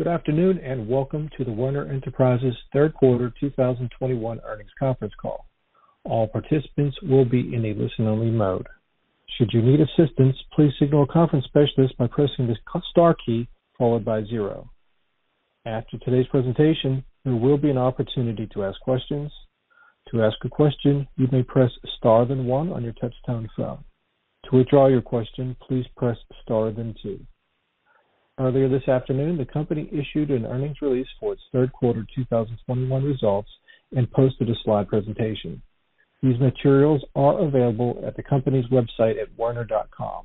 Good afternoon, and welcome to the Werner Enterprises Third Quarter 2021 earnings conference call. All participants will be in a listen-only mode. Should you need assistance, please signal a conference specialist by pressing the star key followed by zero. After today's presentation, there will be an opportunity to ask questions. To ask a question, you may press star then one on your touch-tone phone. To withdraw your question, please press star then two. Earlier this afternoon, the company issued an earnings release for its third quarter 2021 results and posted a slide presentation. These materials are available at the company's website at werner.com.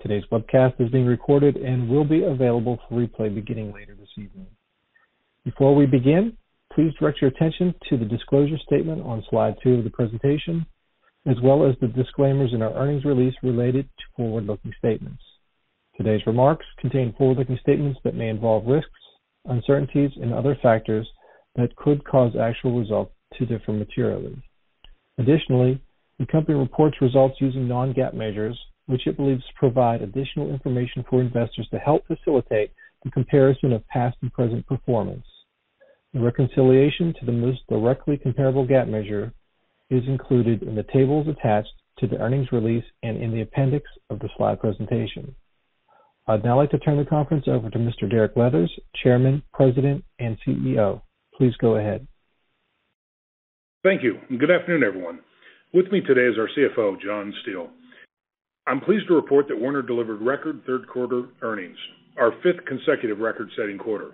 Today's webcast is being recorded and will be available for replay beginning later this evening. Before we begin, please direct your attention to the disclosure statement on slide two of the presentation, as well as the disclaimers in our earnings release related to forward-looking statements. Today's remarks contain forward-looking statements that may involve risks, uncertainties, and other factors that could cause actual results to differ materially. Additionally, the company reports results using non-GAAP measures, which it believes provide additional information for investors to help facilitate the comparison of past and present performance. The reconciliation to the most directly comparable GAAP measure is included in the tables attached to the earnings release and in the appendix of the slide presentation. I'd now like to turn the conference over to Mr. Derek Leathers, Chairman, President, and CEO. Please go ahead. Thank you. Good afternoon everyone. With me today is our CFO, John Steele. I'm pleased to report that Werner delivered record third quarter earnings, our fifth consecutive record-setting quarter.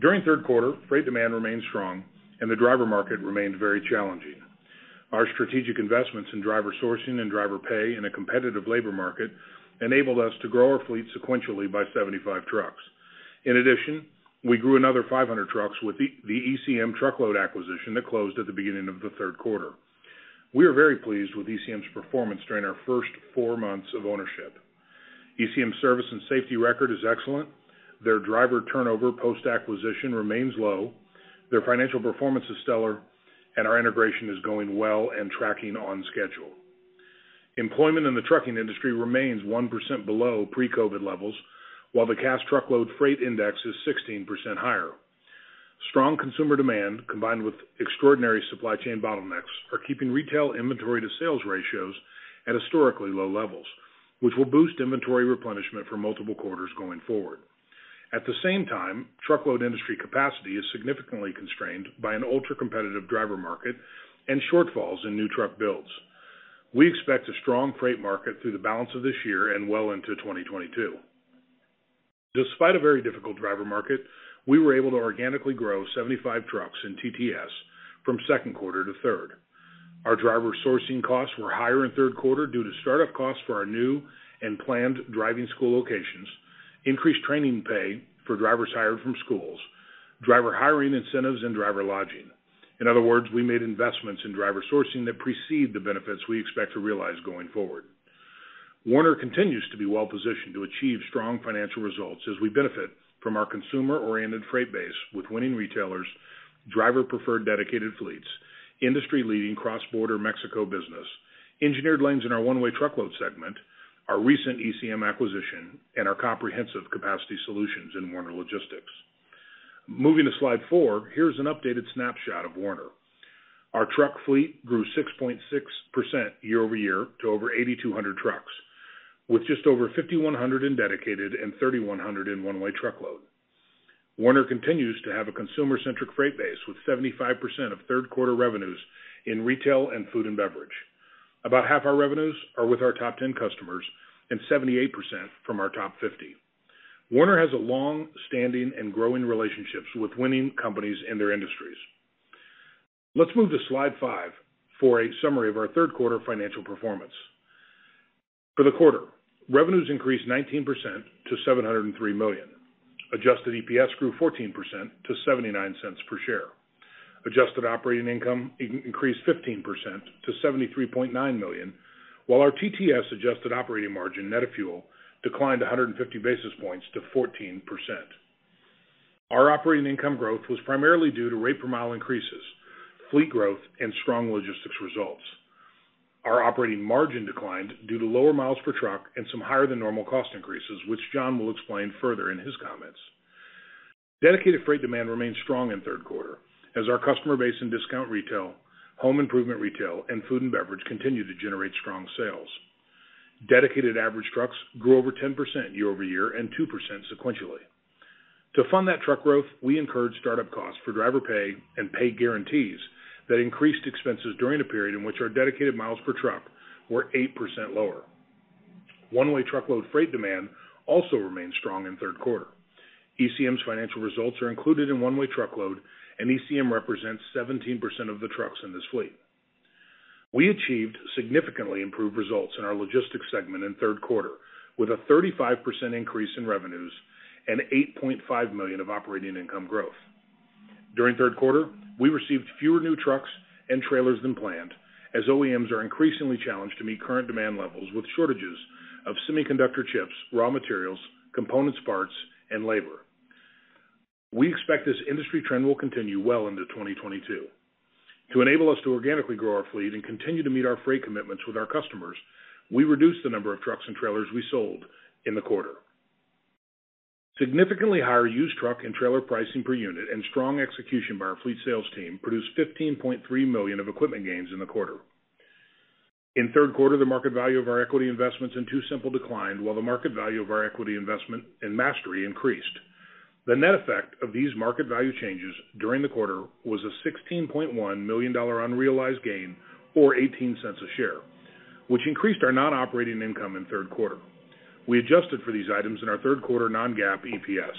During third quarter, freight demand remained strong and the driver market remained very challenging. Our strategic investments in driver sourcing and driver pay in a competitive labor market enabled us to grow our fleet sequentially by 75 trucks. In addition, we grew another 500 trucks with the ECM truckload acquisition that closed at the beginning of the third quarter. We are very pleased with ECM's performance during our first four months of ownership. ECM service and safety record is excellent. Their driver turnover post-acquisition remains low. Their financial performance is stellar, and our integration is going well and tracking on schedule. Employment in the trucking industry remains 1% below pre-COVID levels, while the cash truckload freight index is 16% higher. Strong consumer demand, combined with extraordinary supply chain bottlenecks, are keeping retail inventory to sales ratios at historically low levels, which will boost inventory replenishment for multiple quarters going forward. At the same time, truckload industry capacity is significantly constrained by an ultra-competitive driver market and shortfalls in new truck builds. We expect a strong freight market through the balance of this year and well into 2022. Despite a very difficult driver market, we were able to organically grow 75 trucks in TTS from second quarter to third quarter. Our driver sourcing costs were higher in third quarter due to start-up costs for our new and planned driving school locations, increased training pay for drivers hired from schools, driver hiring incentives, and driver lodging. In other words, we made investments in driver sourcing that precede the benefits we expect to realize going forward. Werner continues to be well-positioned to achieve strong financial results as we benefit from our consumer-oriented freight base with winning retailers, driver-preferred dedicated fleets, industry-leading cross-border Mexico business, engineered lanes in our one-way truckload segment, our recent ECM acquisition, and our comprehensive capacity solutions in Werner Logistics. Moving to slide four, here's an updated snapshot of Werner. Our truck fleet grew 6.6% year-over-year to over 8,200 trucks, with just over 5,100 in dedicated and 3,100 in one-way truckload. Werner continues to have a consumer-centric freight base with 75% of third quarter revenues in retail and food and beverage. About half our revenues are with our top 10 customers and 78% from our top 50. Werner has long-standing and growing relationships with winning companies in their industries. Let's move to slide five for a summary of our third quarter financial performance. For the quarter, revenues increased 19% to $703 million. Adjusted EPS grew 14% to $0.79 per share. Adjusted operating income increased 15% to $73.9 million, while our TTS adjusted operating margin net of fuel declined 150 basis points to 14%. Our operating income growth was primarily due to rate per mile increases, fleet growth, and strong logistics results. Our operating margin declined due to lower miles per truck and some higher than normal cost increases, which John will explain further in his comments. Dedicated freight demand remained strong in third quarter as our customer base in discount retail, home improvement retail, and food and beverage continued to generate strong sales. Dedicated average trucks grew over 10% year-over-year and 2% sequentially. To fund that truck growth, we incurred start-up costs for driver pay and pay guarantees that increased expenses during the period in which our dedicated miles per truck were 8% lower. One-way truckload freight demand also remained strong in third quarter. ECM's financial results are included in one-way truckload, and ECM represents 17% of the trucks in this fleet. We achieved significantly improved results in our logistics segment in third quarter, with a 35% increase in revenues and $8.5 million of operating income growth. During third quarter, we received fewer new trucks and trailers than planned, as OEMs are increasingly challenged to meet current demand levels with shortages of semiconductor chips, raw materials, component parts, and labor. We expect this industry trend will continue well into 2022. To enable us to organically grow our fleet and continue to meet our freight commitments with our customers, we reduced the number of trucks and trailers we sold in the quarter. Significantly higher used truck and trailer pricing per unit and strong execution by our fleet sales team produced $15.3 million of equipment gains in the quarter. In third quarter, the market value of our equity investments in TuSimple declined, while the market value of our equity investment in Mastery increased. The net effect of these market value changes during the quarter was a $16.1 million unrealized gain or $0.18 a share, which increased our non-operating income in third quarter. We adjusted for these items in our third quarter non-GAAP EPS.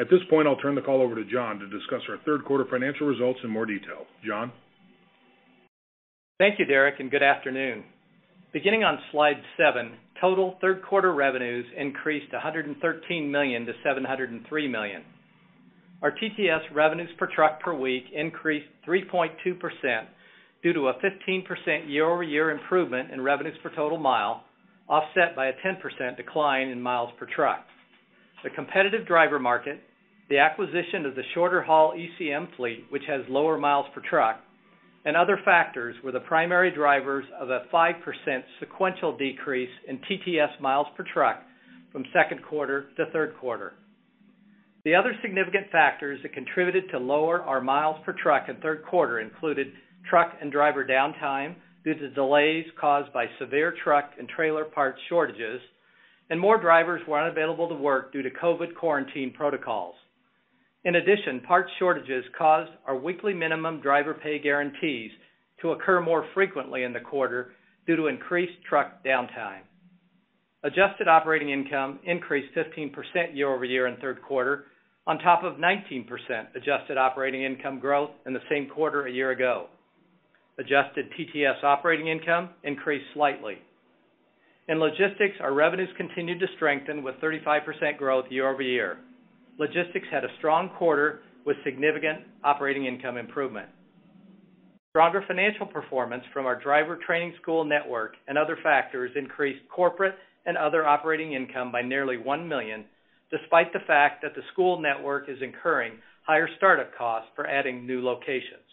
At this point, I'll turn the call over to John to discuss our third quarter financial results in more detail. John? Thank you Derek and good afternoon. Beginning on slide seven, total third quarter revenues increased $113 million-$703 million. Our TTS revenues per truck per week increased 3.2% due to a 15% year-over-year improvement in revenues per total mile, offset by a 10% decline in miles per truck. The competitive driver market, the acquisition of the shorter haul ECM fleet, which has lower miles per truck, and other factors were the primary drivers of a 5% sequential decrease in TTS miles per truck from second quarter to third quarter. The other significant factors that contributed to lower our miles per truck in third quarter included truck and driver downtime due to delays caused by severe truck and trailer parts shortages, and more drivers were unavailable to work due to COVID quarantine protocols. In addition, parts shortages caused our weekly minimum driver pay guarantees to occur more frequently in the quarter due to increased truck downtime. Adjusted operating income increased 15% year-over-year in third quarter on top of 19% adjusted operating income growth in the same quarter a year ago. Adjusted TTS operating income increased slightly. In logistics, our revenues continued to strengthen with 35% growth year-over-year. Logistics had a strong quarter with significant operating income improvement. Stronger financial performance from our driver training school network and other factors increased corporate and other operating income by nearly $1 million, despite the fact that the school network is incurring higher startup costs for adding new locations.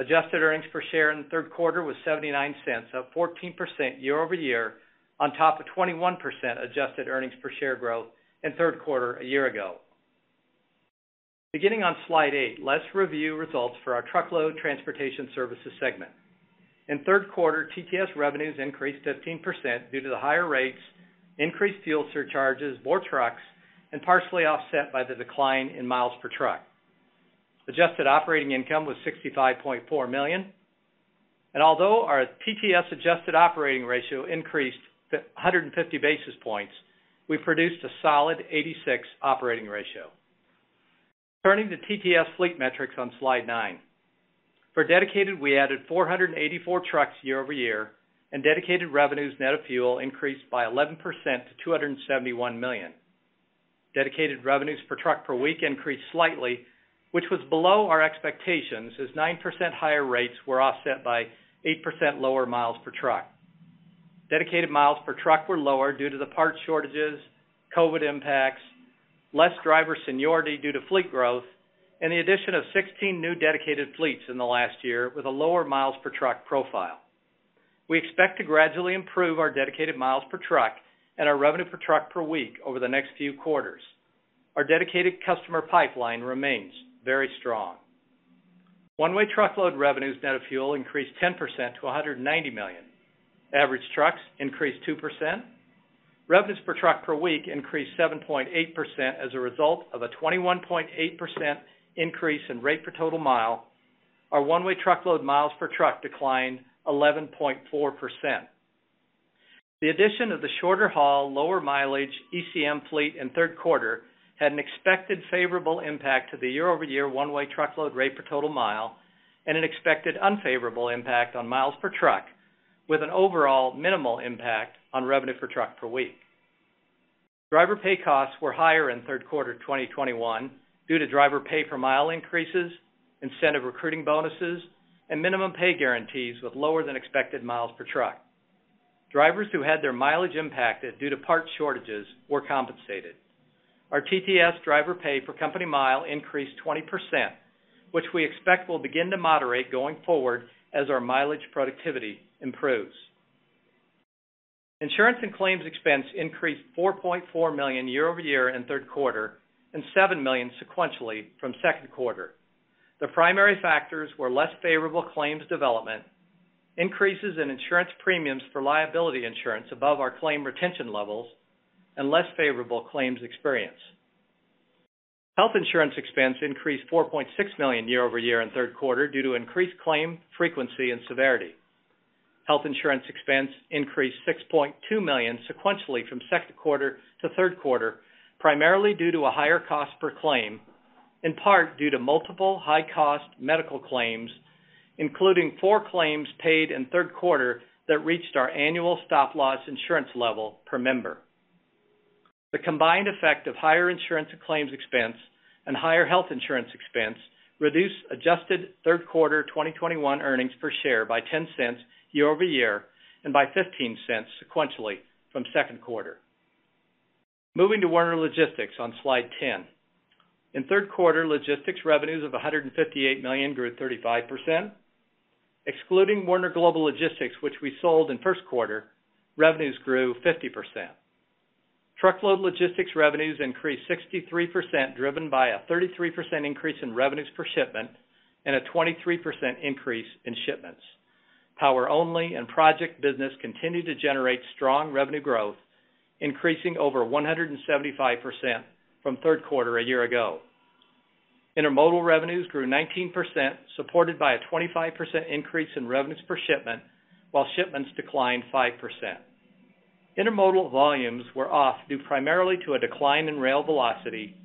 Adjusted earnings per share in third quarter was $0.79, up 14% year-over-year on top of 21% adjusted earnings per share growth in third quarter a year ago. Beginning on slide eight, let's review results for our truckload transportation services segment. In third quarter, TTS revenues increased 15% due to the higher rates, increased fuel surcharges, more trucks, and partially offset by the decline in miles per truck. Adjusted operating income was $65.4 million. Although our TTS adjusted operating ratio increased a hundred and fifty basis points, we produced a solid 86 operating ratio. Turning to TTS fleet metrics on slide nine. For dedicated, we added 484 trucks year-over-year, and dedicated revenues net of fuel increased by 11% to $271 million. Dedicated revenues per truck per week increased slightly, which was below our expectations as 9% higher rates were offset by 8% lower miles per truck. Dedicated miles per truck were lower due to the parts shortages, COVID impacts, less driver seniority due to fleet growth, and the addition of 16 new dedicated fleets in the last year with a lower miles per truck profile. We expect to gradually improve our dedicated miles per truck and our revenue per truck per week over the next few quarters. Our dedicated customer pipeline remains very strong. One-way truckload revenues net of fuel increased 10% to $190 million. Average trucks increased 2%. Revenues per truck per week increased 7.8% as a result of a 21.8% increase in rate per total mile. Our one-way truckload miles per truck declined 11.4%. The addition of the shorter haul, lower mileage ECM fleet in third quarter had an expected favorable impact to the year-over-year one-way truckload rate per total mile and an expected unfavorable impact on miles per truck, with an overall minimal impact on revenue per truck per week. Driver pay costs were higher in third quarter of 2021 due to driver pay per mile increases, incentive recruiting bonuses, and minimum pay guarantees with lower than expected miles per truck. Drivers who had their mileage impacted due to parts shortages were compensated. Our TTS driver pay per company mile increased 20%, which we expect will begin to moderate going forward as our mileage productivity improves. Insurance and claims expense increased $4.4 million year-over-year in third quarter and $7 million sequentially from second quarter. The primary factors were less favorable claims development, increases in insurance premiums for liability insurance above our claim retention levels, and less favorable claims experience. Health insurance expense increased $4.6 million year-over-year in third quarter due to increased claim frequency and severity. Health insurance expense increased $6.2 million sequentially from second quarter to third quarter, primarily due to a higher cost per claim, in part due to multiple high-cost medical claims, including four claims paid in third quarter that reached our annual stop-loss insurance level per member. The combined effect of higher insurance and claims expense and higher health insurance expense reduced adjusted third quarter 2021 earnings per share by $0.10 year-over-year and by $0.15 sequentially from second quarter. Moving to Werner Logistics on slide ten. In third quarter, logistics revenues of $158 million grew 35%. Excluding Werner Global Logistics, which we sold in first quarter, revenues grew 50%. Truckload logistics revenues increased 63%, driven by a 33% increase in revenues per shipment and a 23% increase in shipments. Power only and project business continued to generate strong revenue growth, increasing over 175% from third quarter a year ago. Intermodal revenues grew 19%, supported by a 25% increase in revenues per shipment, while shipments declined 5%. Intermodal volumes were off due primarily to a decline in rail velocity,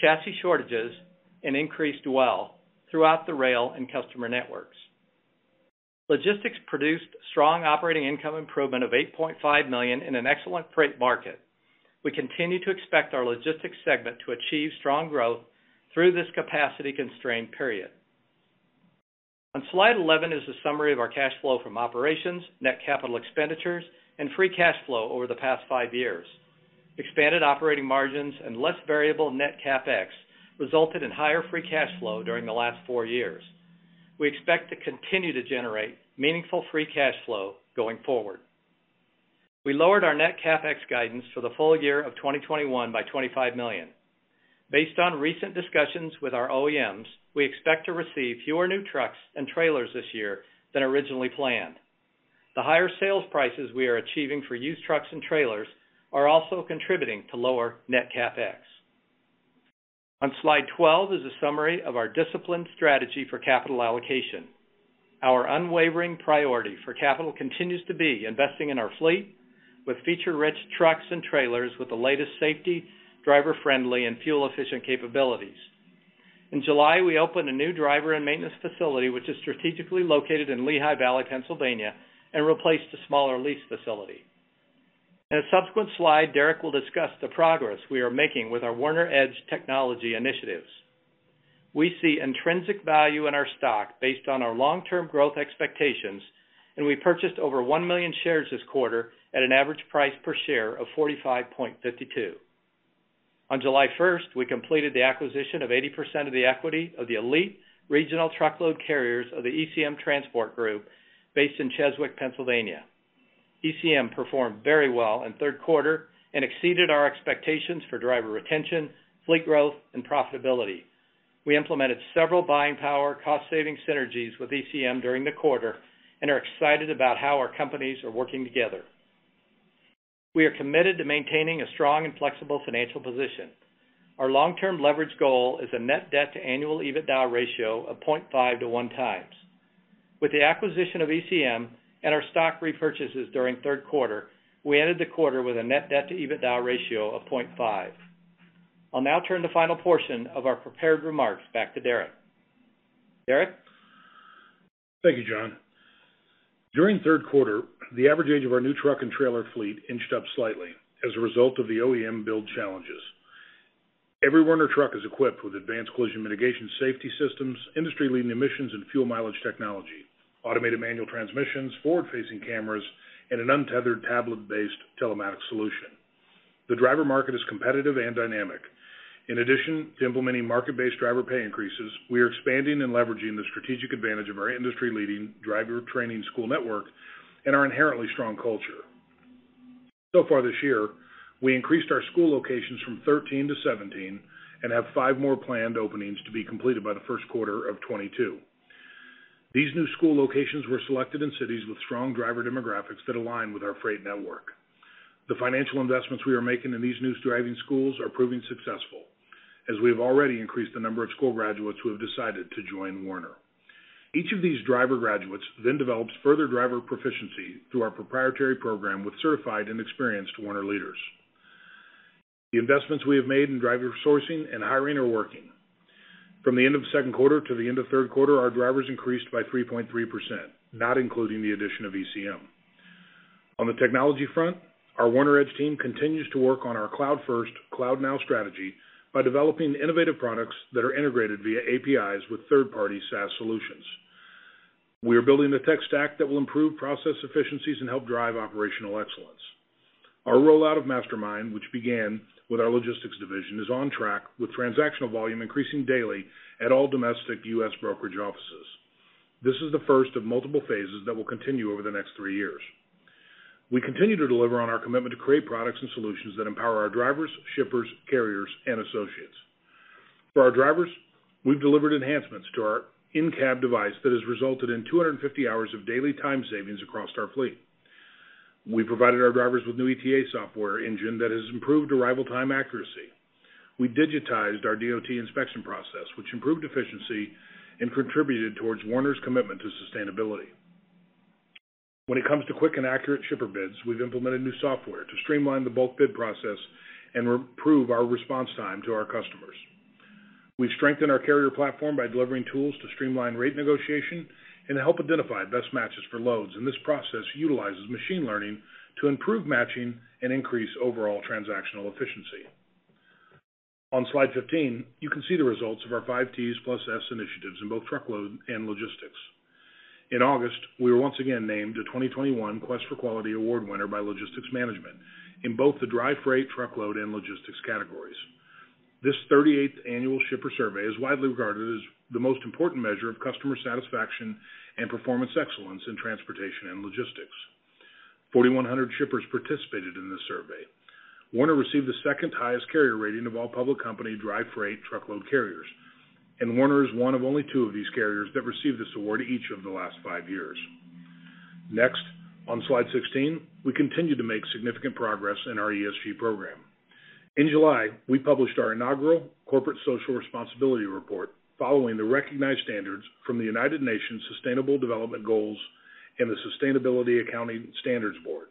chassis shortages, and increased dwell throughout the rail and customer networks. Logistics produced strong operating income improvement of $8.5 million in an excellent freight market. We continue to expect our logistics segment to achieve strong growth through this capacity-constrained period. On slide 11 is a summary of our cash flow from operations, net capital expenditures, and free cash flow over the past five years. Expanded operating margins and less variable net CapEx resulted in higher free cash flow during the last four years. We expect to continue to generate meaningful free cash flow going forward. We lowered our net CapEx guidance for the full year of 2021 by $25 million. Based on recent discussions with our OEMs, we expect to receive fewer new trucks and trailers this year than originally planned. The higher sales prices we are achieving for used trucks and trailers are also contributing to lower net CapEx. On slide 12 is a summary of our disciplined strategy for capital allocation. Our unwavering priority for capital continues to be investing in our fleet with feature-rich trucks and trailers with the latest safety, driver-friendly, and fuel-efficient capabilities. In July, we opened a new driver and maintenance facility, which is strategically located in Lehigh Valley, Pennsylvania, and replaced a smaller lease facility. In a subsequent slide, Derek will discuss the progress we are making with our Werner EDGE technology initiatives. We see intrinsic value in our stock based on our long-term growth expectations, and we purchased over 1 million shares this quarter at an average price per share of $45.52. On July 1st, we completed the acquisition of 80% of the equity of the elite regional truckload carriers of the ECM Transport Group based in Cheswick, Pennsylvania. ECM performed very well in third quarter and exceeded our expectations for driver retention, fleet growth, and profitability. We implemented several buying power cost-saving synergies with ECM during the quarter and are excited about how our companies are working together. We are committed to maintaining a strong and flexible financial position. Our long-term leverage goal is a net debt to annual EBITDA ratio of 0.5-1x. With the acquisition of ECM and our stock repurchases during third quarter, we ended the quarter with a net debt to EBITDA ratio of 0.5. I'll now turn the final portion of our prepared remarks back to Derek. Derek? Thank you, John. During third quarter, the average age of our new truck and trailer fleet inched up slightly as a result of the OEM build challenges. Every Werner truck is equipped with advanced collision mitigation safety systems, industry-leading emissions and fuel mileage technology, automated manual transmissions, forward-facing cameras, and an untethered tablet-based telematics solution. The driver market is competitive and dynamic. In addition to implementing market-based driver pay increases, we are expanding and leveraging the strategic advantage of our industry-leading driver training school network and our inherently strong culture. So far this year, we increased our school locations from 13-17 and have five more planned openings to be completed by the first quarter of 2022. These new school locations were selected in cities with strong driver demographics that align with our freight network. The financial investments we are making in these new driving schools are proving successful, as we have already increased the number of school graduates who have decided to join Werner. Each of these driver graduates then develops further driver proficiency through our proprietary program with certified and experienced Werner leaders. The investments we have made in driver sourcing and hiring are working. From the end of second quarter to the end of third quarter, our drivers increased by 3.3%, not including the addition of ECM. On the technology front, our Werner EDGE team continues to work on our cloud-first, cloud-now strategy by developing innovative products that are integrated via APIs with third-party SaaS solutions. We are building the tech stack that will improve process efficiencies and help drive operational excellence. Our rollout of MasterMind, which began with our logistics division, is on track with transactional volume increasing daily at all domestic U.S. brokerage offices. This is the first of multiple phases that will continue over the next three years. We continue to deliver on our commitment to create products and solutions that empower our drivers, shippers, carriers, and associates. For our drivers, we've delivered enhancements to our in-cab device that has resulted in 250 hours of daily time savings across our fleet. We provided our drivers with new ETA software engine that has improved arrival time accuracy. We digitized our DOT inspection process, which improved efficiency and contributed towards Werner's commitment to sustainability. When it comes to quick and accurate shipper bids, we've implemented new software to streamline the bulk bid process and improve our response time to our customers. We've strengthened our carrier platform by delivering tools to streamline rate negotiation and to help identify best matches for loads, and this process utilizes machine learning to improve matching and increase overall transactional efficiency. On slide 15, you can see the results of our Five T's plus S initiatives in both truckload and logistics. In August, we were once again named a 2021 Quest for Quality Award winner by Logistics Management in both the dry freight, truckload, and logistics categories. This 38th annual shipper survey is widely regarded as the most important measure of customer satisfaction and performance excellence in transportation and logistics. 4,100 shippers participated in this survey. Werner received the second highest carrier rating of all public company dry freight truckload carriers, and Werner is one of only two of these carriers that received this award each of the last five years. Next, on slide 16, we continue to make significant progress in our ESG program. In July, we published our inaugural corporate social responsibility report following the recognized standards from the United Nations Sustainable Development Goals and the Sustainability Accounting Standards Board.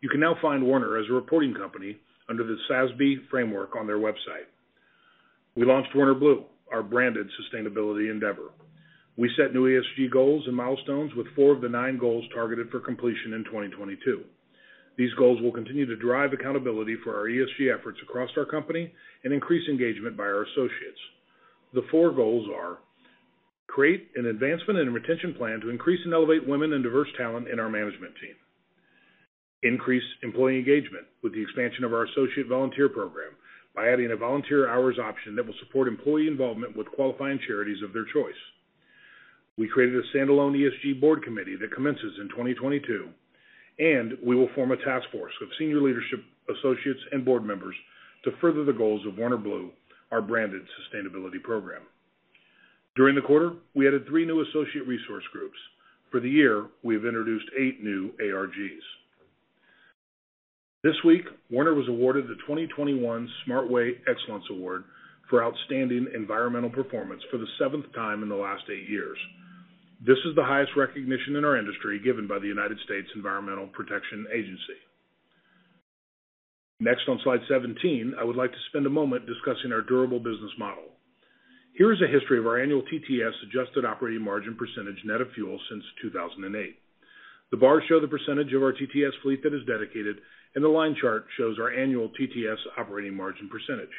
You can now find Werner as a reporting company under the SASB framework on their website. We launched WernerBlue, our branded sustainability endeavor. We set new ESG goals and milestones with four of the nine goals targeted for completion in 2022. These goals will continue to drive accountability for our ESG efforts across our company and increase engagement by our associates. The four goals are create an advancement and retention plan to increase and elevate women and diverse talent in our management team. Increase employee engagement with the expansion of our associate volunteer program by adding a volunteer hours option that will support employee involvement with qualifying charities of their choice. We created a standalone ESG board committee that commences in 2022, and we will form a task force of senior leadership associates and board members to further the goals of WernerBlue, our branded sustainability program. During the quarter, we added three new associate resource groups. For the year, we have introduced eight new ARGs. This week, Werner was awarded the 2021 SmartWay Excellence Award for outstanding environmental performance for the 17th time in the last eight years. This is the highest recognition in our industry given by the United States Environmental Protection Agency. Next, on slide 17, I would like to spend a moment discussing our durable business model. Here is a history of our annual TTS adjusted operating margin percentage net of fuel since 2008. The bars show the percentage of our TTS fleet that is dedicated, and the line chart shows our annual TTS operating margin percentage.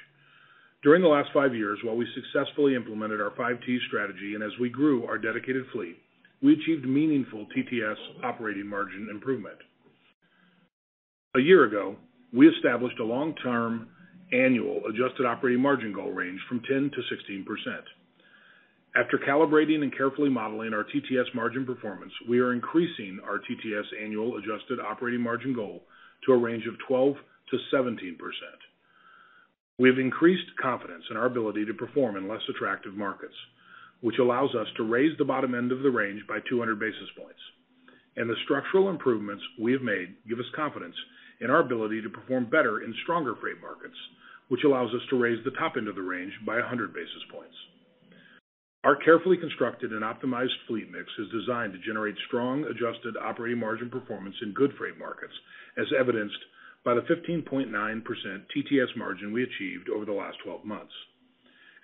During the last five years, while we successfully implemented our Five T strategy and as we grew our dedicated fleet, we achieved meaningful TTS operating margin improvement. A year ago, we established a long-term annual adjusted operating margin goal range from 10%-16%. After calibrating and carefully modeling our TTS margin performance, we are increasing our TTS annual adjusted operating margin goal to a range of 12%-17%. We have increased confidence in our ability to perform in less attractive markets, which allows us to raise the bottom end of the range by 200 basis points. The structural improvements we have made give us confidence in our ability to perform better in stronger freight markets, which allows us to raise the top end of the range by 100 basis points. Our carefully constructed and optimized fleet mix is designed to generate strong adjusted operating margin performance in good freight markets, as evidenced by the 15.9% TTS margin we achieved over the last 12 months.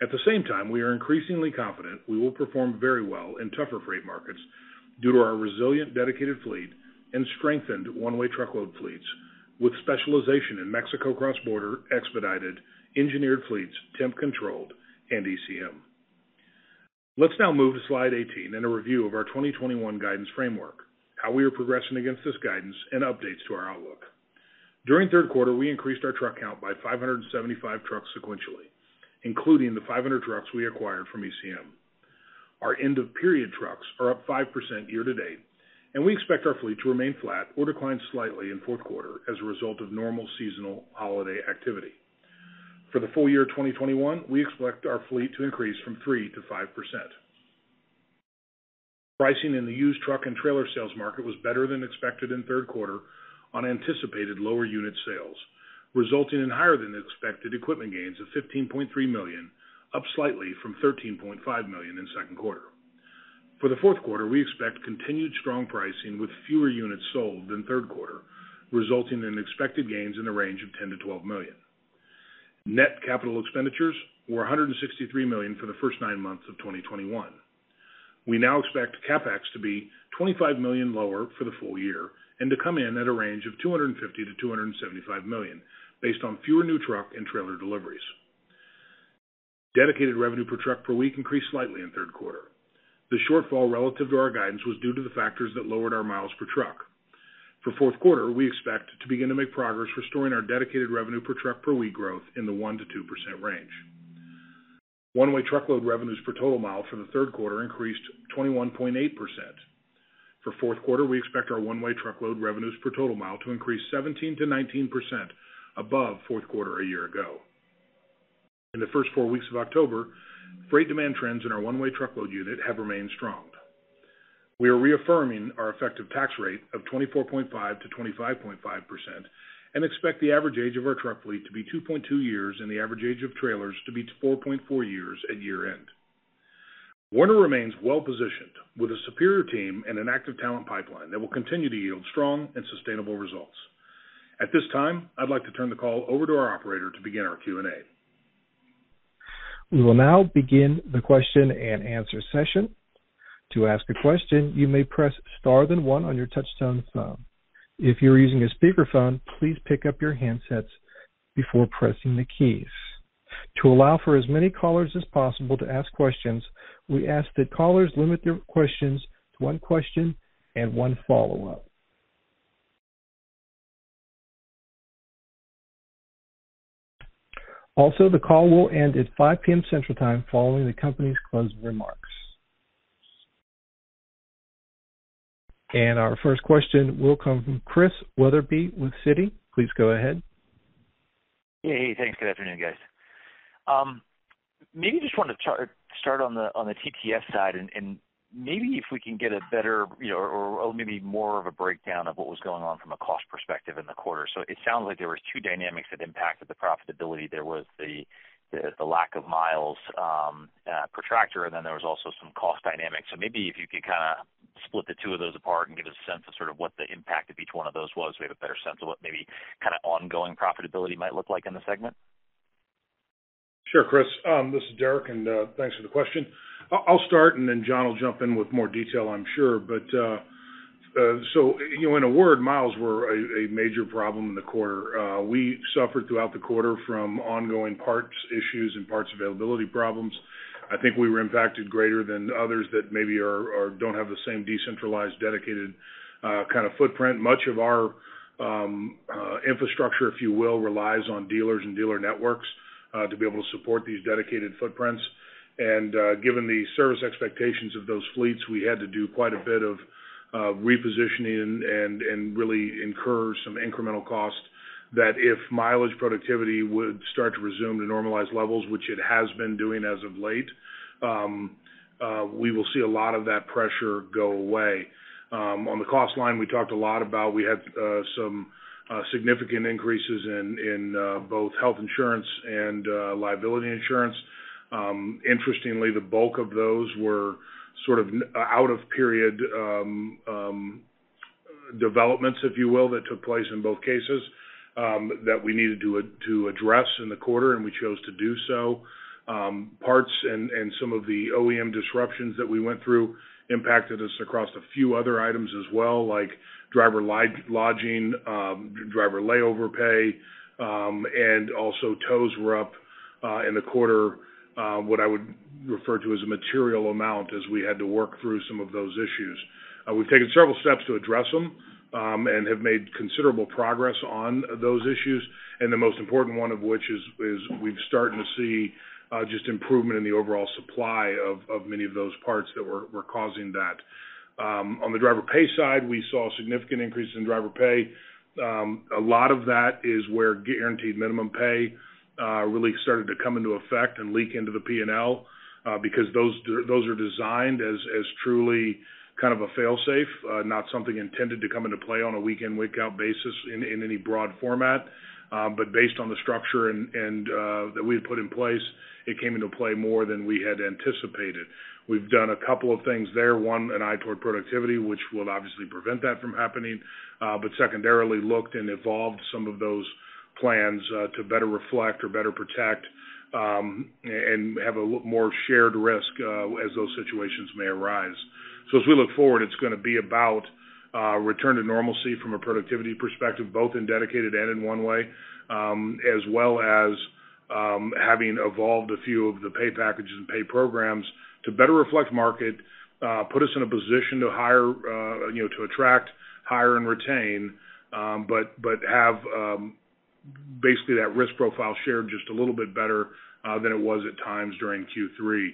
At the same time, we are increasingly confident we will perform very well in tougher freight markets due to our resilient, dedicated fleet and strengthened one-way truckload fleets with specialization in Mexico cross-border, expedited, engineered fleets, temp controlled, and ECM. Let's now move to slide 18 and a review of our 2021 guidance framework, how we are progressing against this guidance, and updates to our outlook. During third quarter, we increased our truck count by 575 trucks sequentially, including the 500 trucks we acquired from ECM. Our end of period trucks are up 5% year to date, and we expect our fleet to remain flat or decline slightly in fourth quarter as a result of normal seasonal holiday activity. For the full year 2021, we expect our fleet to increase 3%-5%. Pricing in the used truck and trailer sales market was better than expected in third quarter on anticipated lower unit sales, resulting in higher than expected equipment gains of $15.3 million, up slightly from $13.5 million in second quarter. For the fourth quarter, we expect continued strong pricing with fewer units sold than third quarter, resulting in expected gains in the range of $10 million-$12 million. Net capital expenditures were $163 million for the first nine months of 2021. We now expect CapEx to be $25 million lower for the full year and to come in at a range of $250 million-$275 million based on fewer new truck and trailer deliveries. Dedicated revenue per truck per week increased slightly in third quarter. The shortfall relative to our guidance was due to the factors that lowered our miles per truck. For fourth quarter, we expect to begin to make progress restoring our dedicated revenue per truck per week growth in the 1%-2% range. One-way truckload revenues per total mile for the third quarter increased 21.8%. For fourth quarter, we expect our one-way truckload revenues per total mile to increase 17%-19% above fourth quarter a year ago. In the first four weeks of October, freight demand trends in our one-way truckload unit have remained strong. We are reaffirming our effective tax rate of 24.5%-25.5% and expect the average age of our truck fleet to be 2.2 years, and the average age of trailers to be 4.4 years at year-end. Werner remains well positioned with a superior team and an active talent pipeline that will continue to yield strong and sustainable results. At this time, I'd like to turn the call over to our operator to begin our Q&A. We will now begin the question and answer session. To ask a question, you may press star then one on your touchtone phone. If you're using a speaker phone, please pick up your handsets before pressing the keys. To allow for as many callers as possible to ask questions, we ask that callers limit their questions to one question and one follow-up. Also, the call will end at 5:00 P.M. Central Time following the company's closing remarks. Our first question will come from Chris Wetherbee with Citi. Please go ahead. Yeah. Hey, thanks. Good afternoon guys. Maybe just wanna start on the TTS side and maybe if we can get a better, you know, maybe more of a breakdown of what was going on from a cost perspective in the quarter. It sounds like there was two dynamics that impacted the profitability. There was the lack of miles per tractor, and then there was also some cost dynamics. Maybe if you could kinda split the two of those apart and give a sense of sort of what the impact of each one of those was, so we have a better sense of what maybe kinda ongoing profitability might look like in the segment. Sure, Chris. This is Derek, and thanks for the question. I'll start, and then John will jump in with more detail, I'm sure. You know, in a word, miles were a major problem in the quarter. We suffered throughout the quarter from ongoing parts issues and parts availability problems. I think we were impacted greater than others that maybe don't have the same decentralized, dedicated kind of footprint. Much of our infrastructure, if you will, relies on dealers and dealer networks to be able to support these dedicated footprints. Given the service expectations of those fleets, we had to do quite a bit of repositioning and really incur some incremental costs that if mileage productivity would start to resume to normalized levels, which it has been doing as of late, we will see a lot of that pressure go away. On the cost line, we talked a lot about. We had some significant increases in both health insurance and liability insurance. Interestingly, the bulk of those were sort of out-of-period developments, if you will, that took place in both cases, that we needed to address in the quarter, and we chose to do so. Parts and some of the OEM disruptions that we went through impacted us across a few other items as well, like driver lodging, driver layover pay, and also tows were up in the quarter, what I would refer to as a material amount as we had to work through some of those issues. We've taken several steps to address them, and have made considerable progress on those issues, and the most important one of which is we've started to see just improvement in the overall supply of many of those parts that were causing that. On the driver pay side, we saw significant increase in driver pay. A lot of that is where guaranteed minimum pay really started to come into effect and leak into the P&L, because those are designed as truly kind of a fail-safe, not something intended to come into play on a week in, week out basis in any broad format. Based on the structure and that we had put in place, it came into play more than we had anticipated. We've done a couple of things there. One, an eye toward productivity, which will obviously prevent that from happening, but secondarily looked and evolved some of those plans, to better reflect or better protect, and have more shared risk, as those situations may arise. As we look forward, it's gonna be about return to normalcy from a productivity perspective, both in dedicated and in one way, as well as having evolved a few of the pay packages and pay programs to better reflect market, put us in a position to hire, you know, to attract, hire, and retain, but have basically that risk profile shared just a little bit better than it was at times during Q3.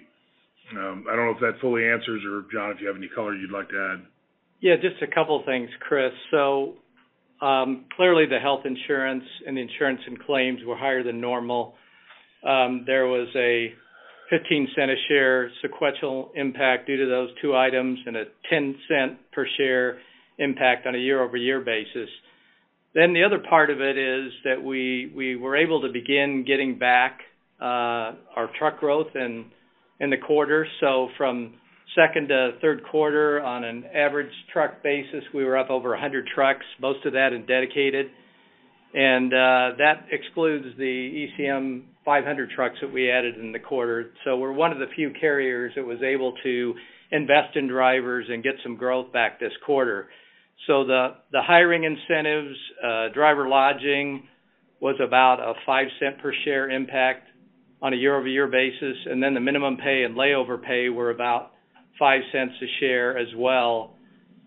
I don't know if that fully answers or, John, if you have any color you'd like to add. Yeah, just a couple things, Chris. Clearly the health insurance and claims were higher than normal. There was a $0.15 per share sequential impact due to those two items and a $0.10 per share impact on a year-over-year basis. The other part of it is that we were able to begin getting back our truck growth in the quarter. From second to third quarter on an average truck basis, we were up over 100 trucks, most of that in dedicated. That excludes the ECM 500 trucks that we added in the quarter. We're one of the few carriers that was able to invest in drivers and get some growth back this quarter. The hiring incentives, driver lodging was about a $0.05 per share impact on a year-over-year basis, and then the minimum pay and layover pay were about $0.05 per share as well,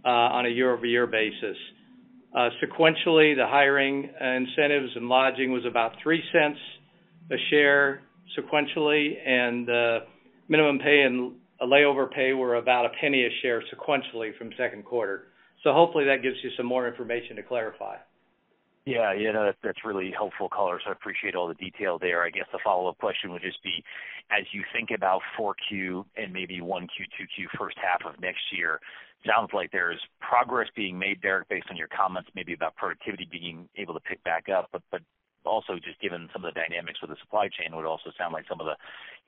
on a year-over-year basis. Sequentially, the hiring incentives and lodging was about $0.03 per share sequentially, and minimum pay and layover pay were about $0.01 per share sequentially from second quarter. Hopefully that gives you some more information to clarify. Yeah, no, that's really helpful color, so I appreciate all the detail there. I guess the follow-up question would just be, as you think about 4Q and maybe 1Q, 2Q H1 of next year, sounds like there's progress being made, Derek, based on your comments maybe about productivity being able to pick back up. But also just given some of the dynamics with the supply chain would also sound like some of the,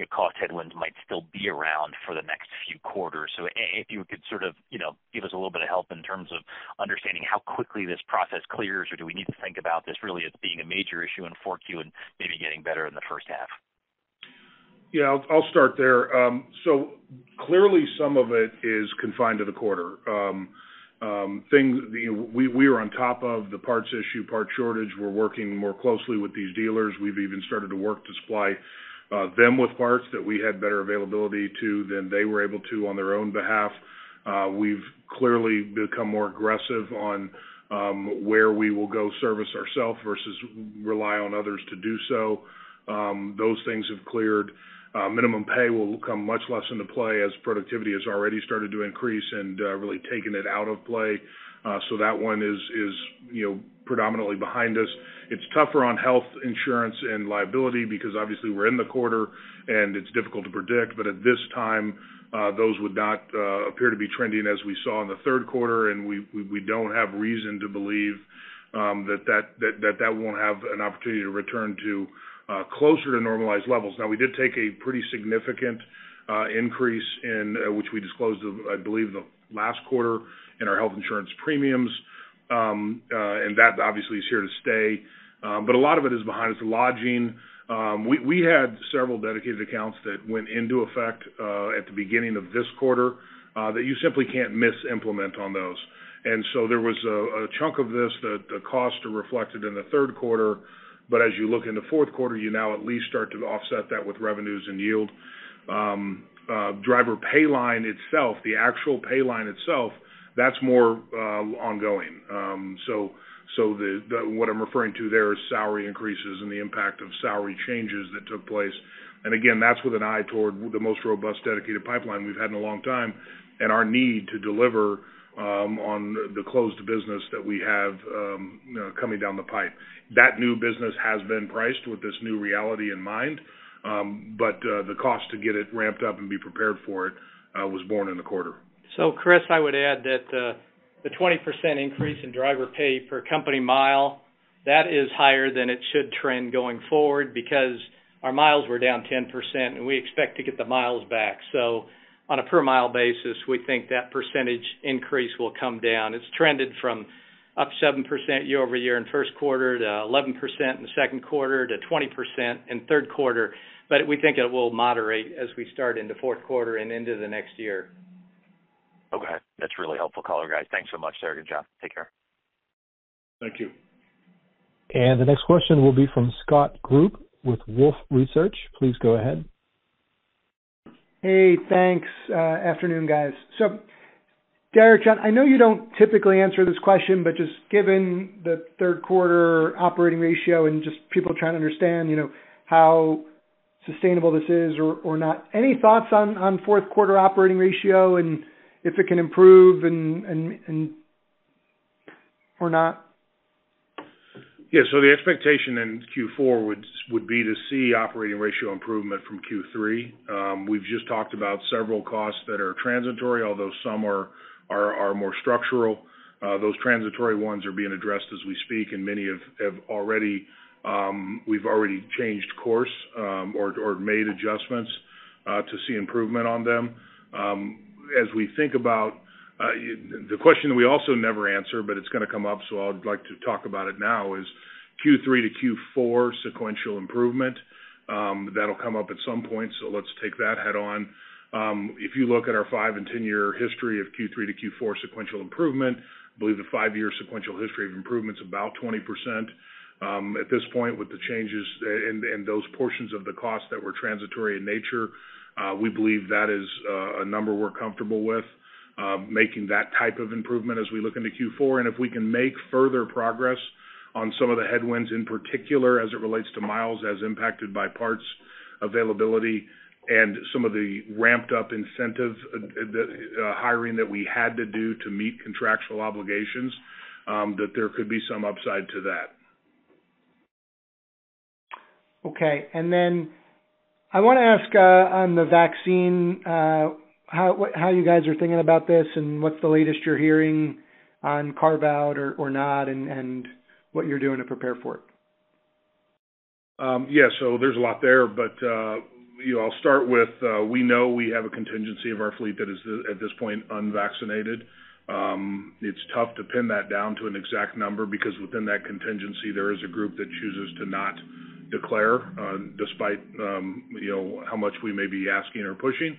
your cost headwinds might still be around for the next few quarter. So if you could sort of, you know, give us a little bit of help in terms of understanding how quickly this process clears, or do we need to think about this really as being a major issue in 4Q and maybe getting better in the H1? Yeah. I'll start there. So clearly some of it is confined to the quarter. Things, you know, we are on top of the parts issue, parts shortage. We're working more closely with these dealers. We've even started to work to supply them with parts that we had better availability to than they were able to on their own behalf. We've clearly become more aggressive on where we will go service ourselves versus rely on others to do so. Those things have cleared. Minimum pay will come much less into play as productivity has already started to increase and really taken it out of play. So that one is, you know, predominantly behind us. It's tougher on health insurance and liability because obviously we're in the quarter and it's difficult to predict. At this time, those would not appear to be trending as we saw in the third quarter, and we don't have reason to believe that that won't have an opportunity to return to closer to normalized levels. Now, we did take a pretty significant increase in our health insurance premiums, which we disclosed, I believe, in the last quarter. That obviously is here to stay, but a lot of it is behind us. Lodging, we had several dedicated accounts that went into effect at the beginning of this quarter that you simply can't misimplement on those. There was a chunk of this that the costs are reflected in the third quarter, but as you look in the fourth quarter, you now at least start to offset that with revenues and yield. Driver pay line itself, the actual pay line itself, that's more ongoing. What I'm referring to there is salary increases and the impact of salary changes that took place. That's with an eye toward the most robust dedicated pipeline we've had in a long time and our need to deliver on the closed business that we have coming down the pipe. That new business has been priced with this new reality in mind, but the cost to get it ramped up and be prepared for it was born in the quarter. Chris, I would add that, the 20% increase in driver pay per company mile, that is higher than it should trend going forward because our miles were down 10%, and we expect to get the miles back. On a per mile basis, we think that percentage increase will come down. It's trended from up 7% year-over-year in first quarter to 11% in the second quarter to 20% in third quarter. We think it will moderate as we start into fourth quarter and into the next year. Okay. That's really helpful color, guys. Thanks so much, sir. Good job. Take care. Thank you. The next question will be from Scott Group with Wolfe Research. Please go ahead. Hey, thanks. Afternoon guys. Derek, John, I know you don't typically answer this question, but just given the third quarter operating ratio and just people trying to understand, you know, how sustainable this is or not. Any thoughts on fourth quarter operating ratio and if it can improve and or not? Yeah. The expectation in Q4 would be to see operating ratio improvement from Q3. We've just talked about several costs that are transitory, although some are more structural. Those transitory ones are being addressed as we speak, and many have already, we've already changed course, or made adjustments to see improvement on them. As we think about the question that we also never answer, but it's gonna come up, so I would like to talk about it now is Q3-Q4 sequential improvement. That'll come up at some point, so let's take that head on. If you look at our five and 10-year history of Q3-Q4 sequential improvement, I believe the five-year sequential history of improvement is about 20%. At this point with the changes and those portions of the cost that were transitory in nature, we believe that is a number we're comfortable with, making that type of improvement as we look into Q4. If we can make further progress on some of the headwinds, in particular as it relates to miles as impacted by parts availability and some of the ramped up incentives, the hiring that we had to do to meet contractual obligations, that there could be some upside to that. Okay. Then I want to ask on the vaccine, how you guys are thinking about this and what's the latest you're hearing on carve out or not, and what you're doing to prepare for it? Yeah. There's a lot there. You know, I'll start with, we know we have a contingency of our fleet that is at this point unvaccinated. It's tough to pin that down to an exact number because within that contingency, there is a group that chooses to not declare, despite, you know, how much we may be asking or pushing.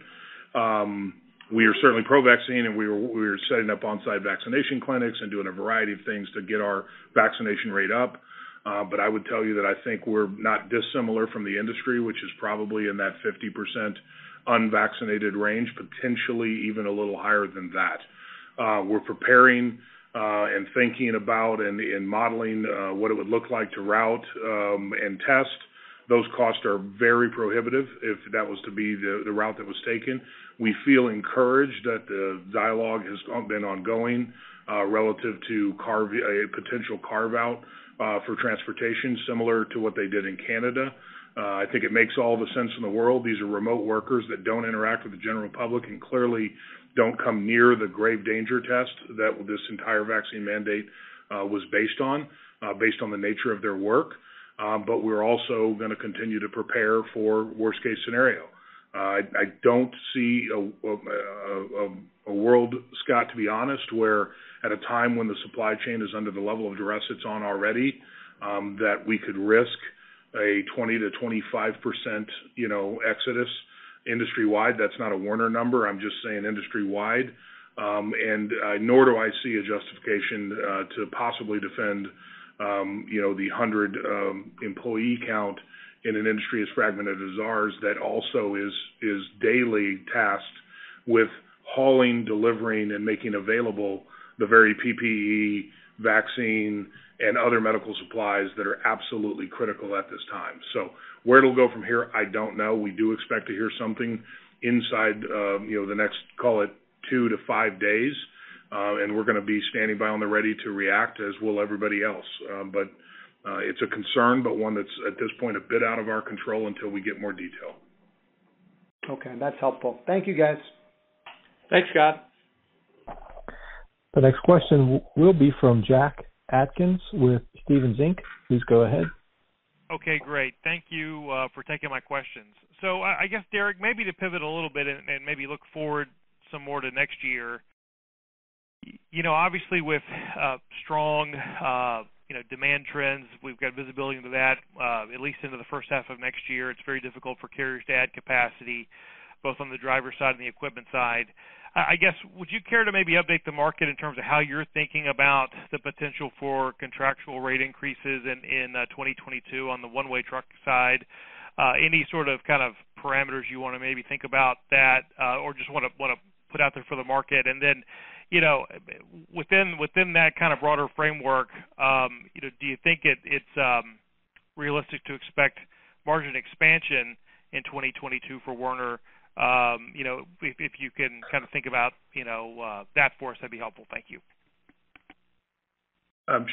We are certainly pro-vaccine, and we are setting up on-site vaccination clinics and doing a variety of things to get our vaccination rate up. I would tell you that I think we're not dissimilar from the industry, which is probably in that 50% unvaccinated range, potentially even a little higher than that. We're preparing and thinking about and modeling what it would look like to route and test. Those costs are very prohibitive if that was to be the route that was taken. We feel encouraged that the dialogue has been ongoing relative to a potential carve out for transportation, similar to what they did in Canada. I think it makes all the sense in the world. These are remote workers that don't interact with the general public, and clearly don't come near the grave danger test that this entire vaccine mandate was based on based on the nature of their work. We're also gonna continue to prepare for worst case scenario. I don't see a world, Scott, to be honest, where at a time when the supply chain is under the level of duress it's on already that we could risk a 20%-25%, you know, exodus industry-wide. That's not a Werner number. I'm just saying industry-wide. Nor do I see a justification to possibly defend you know the 100 employee count in an industry as fragmented as ours that also is daily tasked with hauling, delivering, and making available the very PPE vaccine and other medical supplies that are absolutely critical at this time. Where it'll go from here, I don't know. We do expect to hear something inside you know the next call it two to five days and we're gonna be standing by on the ready to react, as will everybody else. It's a concern, but one that's at this point a bit out of our control until we get more detail. Okay. That's helpful. Thank you, guys. Thanks, Scott. The next question will be from Jack Atkins with Stephens Inc. Please go ahead. Okay, great. Thank you for taking my questions. I guess, Derek, maybe to pivot a little bit and maybe look forward some more to next year. You know, obviously with strong, you know, demand trends, we've got visibility into that, at least into the H1 of next year. It's very difficult for carriers to add capacity, both on the driver side and the equipment side. I guess, would you care to maybe update the market in terms of how you're thinking about the potential for contractual rate increases in 2022 on the one-way truck side? Any sort of, kind of parameters you wanna maybe think about that, or just wanna put out there for the market? You know, within that kind of broader framework, you know, do you think it's realistic to expect margin expansion in 2022 for Werner? You know, if you can kind of think about, you know, that for us, that'd be helpful. Thank you.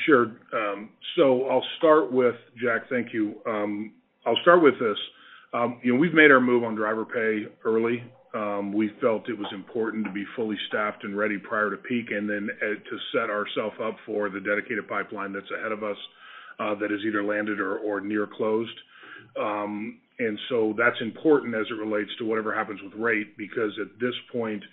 Sure. I'll start with Jack, thank you. I'll start with this. You know, we've made our move on driver pay early. We felt it was important to be fully staffed and ready prior to peak, and then to set ourself up for the dedicated pipeline that's ahead of us, that is either landed or near closed. That's important as it relates to whatever happens with rate, because at this point,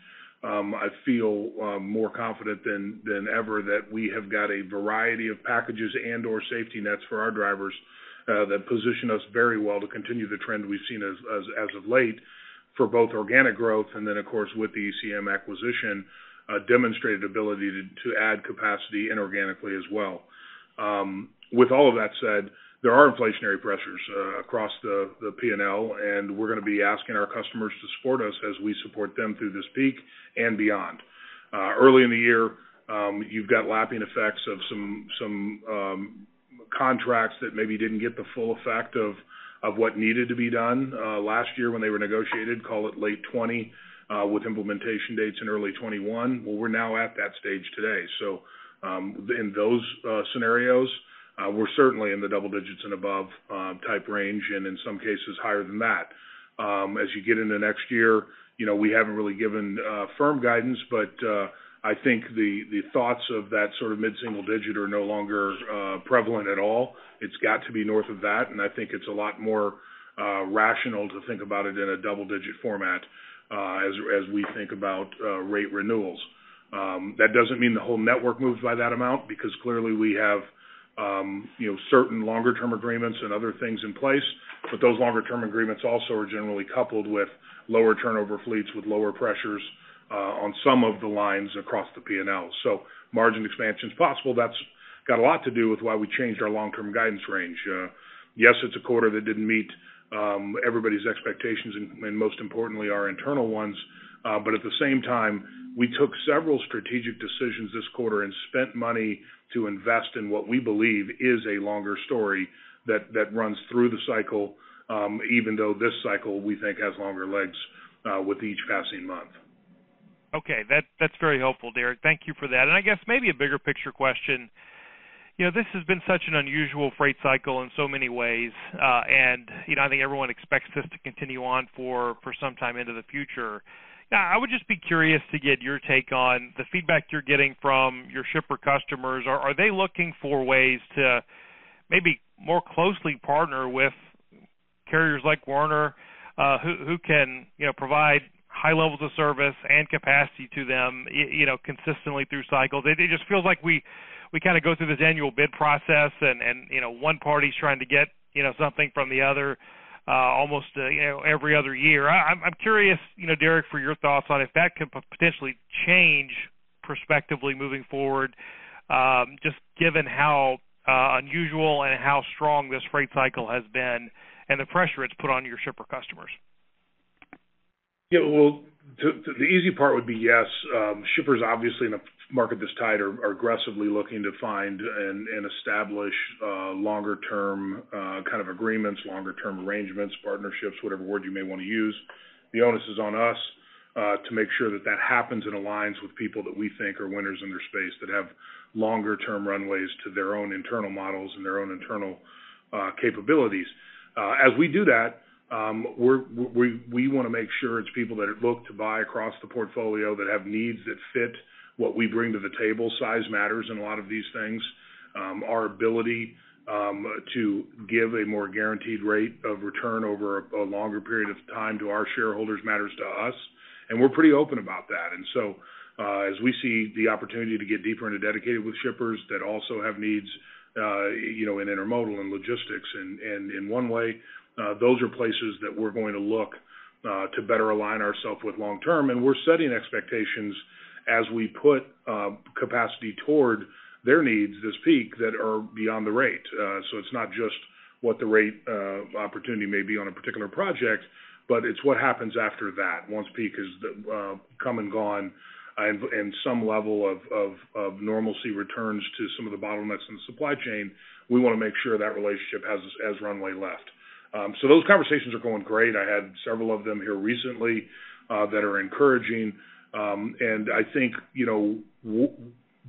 I feel more confident than ever that we have got a variety of packages and/or safety nets for our drivers, that position us very well to continue the trend we've seen as of late for both organic growth and then, of course, with the ECM acquisition, a demonstrated ability to add capacity inorganically as well. With all of that said, there are inflationary pressures across the P&L, and we're gonna be asking our customers to support us as we support them through this peak and beyond. Early in the year, you've got lapping effects of some contracts that maybe didn't get the full effect of what needed to be done last year when they were negotiated, call it late 2020, with implementation dates in early 2021. Well, we're now at that stage today. In those scenarios, we're certainly in the double digits and above type range, and in some cases higher than that. As you get into next year, you know, we haven't really given firm guidance, but I think the thoughts of that sort of mid-single digit are no longer prevalent at all. It's got to be north of that, and I think it's a lot more rational to think about it in a double-digit format, as we think about rate renewals. That doesn't mean the whole network moves by that amount because clearly we have, you know, certain longer term agreements and other things in place. Those longer term agreements also are generally coupled with lower turnover fleets with lower pressures on some of the lines across the P&L. Margin expansion is possible. That's got a lot to do with why we changed our long-term guidance range. Yes, it's a quarter that didn't meet everybody's expectations and most importantly, our internal ones. At the same time, we took several strategic decisions this quarter and spent money to invest in what we believe is a longer story that runs through the cycle, even though this cycle, we think, has longer legs, with each passing month. Okay. That's very helpful, Derek. Thank you for that. I guess maybe a bigger picture question. You know, this has been such an unusual freight cycle in so many ways. You know, I think everyone expects this to continue on for some time into the future. Now, I would just be curious to get your take on the feedback you're getting from your shipper customers. Are they looking for ways to maybe more closely partner with carriers like Werner, who can, you know, provide high levels of service and capacity to them, you know, consistently through cycles? It just feels like we kinda go through this annual bid process and, you know, one party's trying to get, you know, something from the other, almost, you know, every other year. I'm curious, you know, Derek, for your thoughts on if that could potentially change prospectively moving forward, just given how unusual and how strong this freight cycle has been and the pressure it's put on your shipper customers. Yeah. Well, the easy part would be, yes. Shippers obviously in a market this tight are aggressively looking to find and establish longer term kind agreements, longer term arrangements, partnerships, whatever word you may wanna use. The onus is on us to make sure that happens and aligns with people that we think are winners in their space that have longer term runways to their own internal models and their own internal capabilities. As we do that, we wanna make sure it's people that look to buy across the portfolio that have needs that fit what we bring to the table. Size matters in a lot of these things. Our ability to give a more guaranteed rate of return over a longer period of time to our shareholders matters to us, and we're pretty open about that. As we see the opportunity to get deeper into dedicated with shippers that also have needs, you know, in intermodal and logistics, and in one way, those are places that we're going to look to better align ourselves with long-term. We're setting expectations as we put capacity toward their needs this peak that are beyond the rate. It's not just what the rate opportunity may be on a particular project, but it's what happens after that. Once peak has come and gone and some level of normalcy returns to some of the bottlenecks in the supply chain, we wanna make sure that relationship has runway left. Those conversations are going great. I had several of them here recently that are encouraging. I think, you know,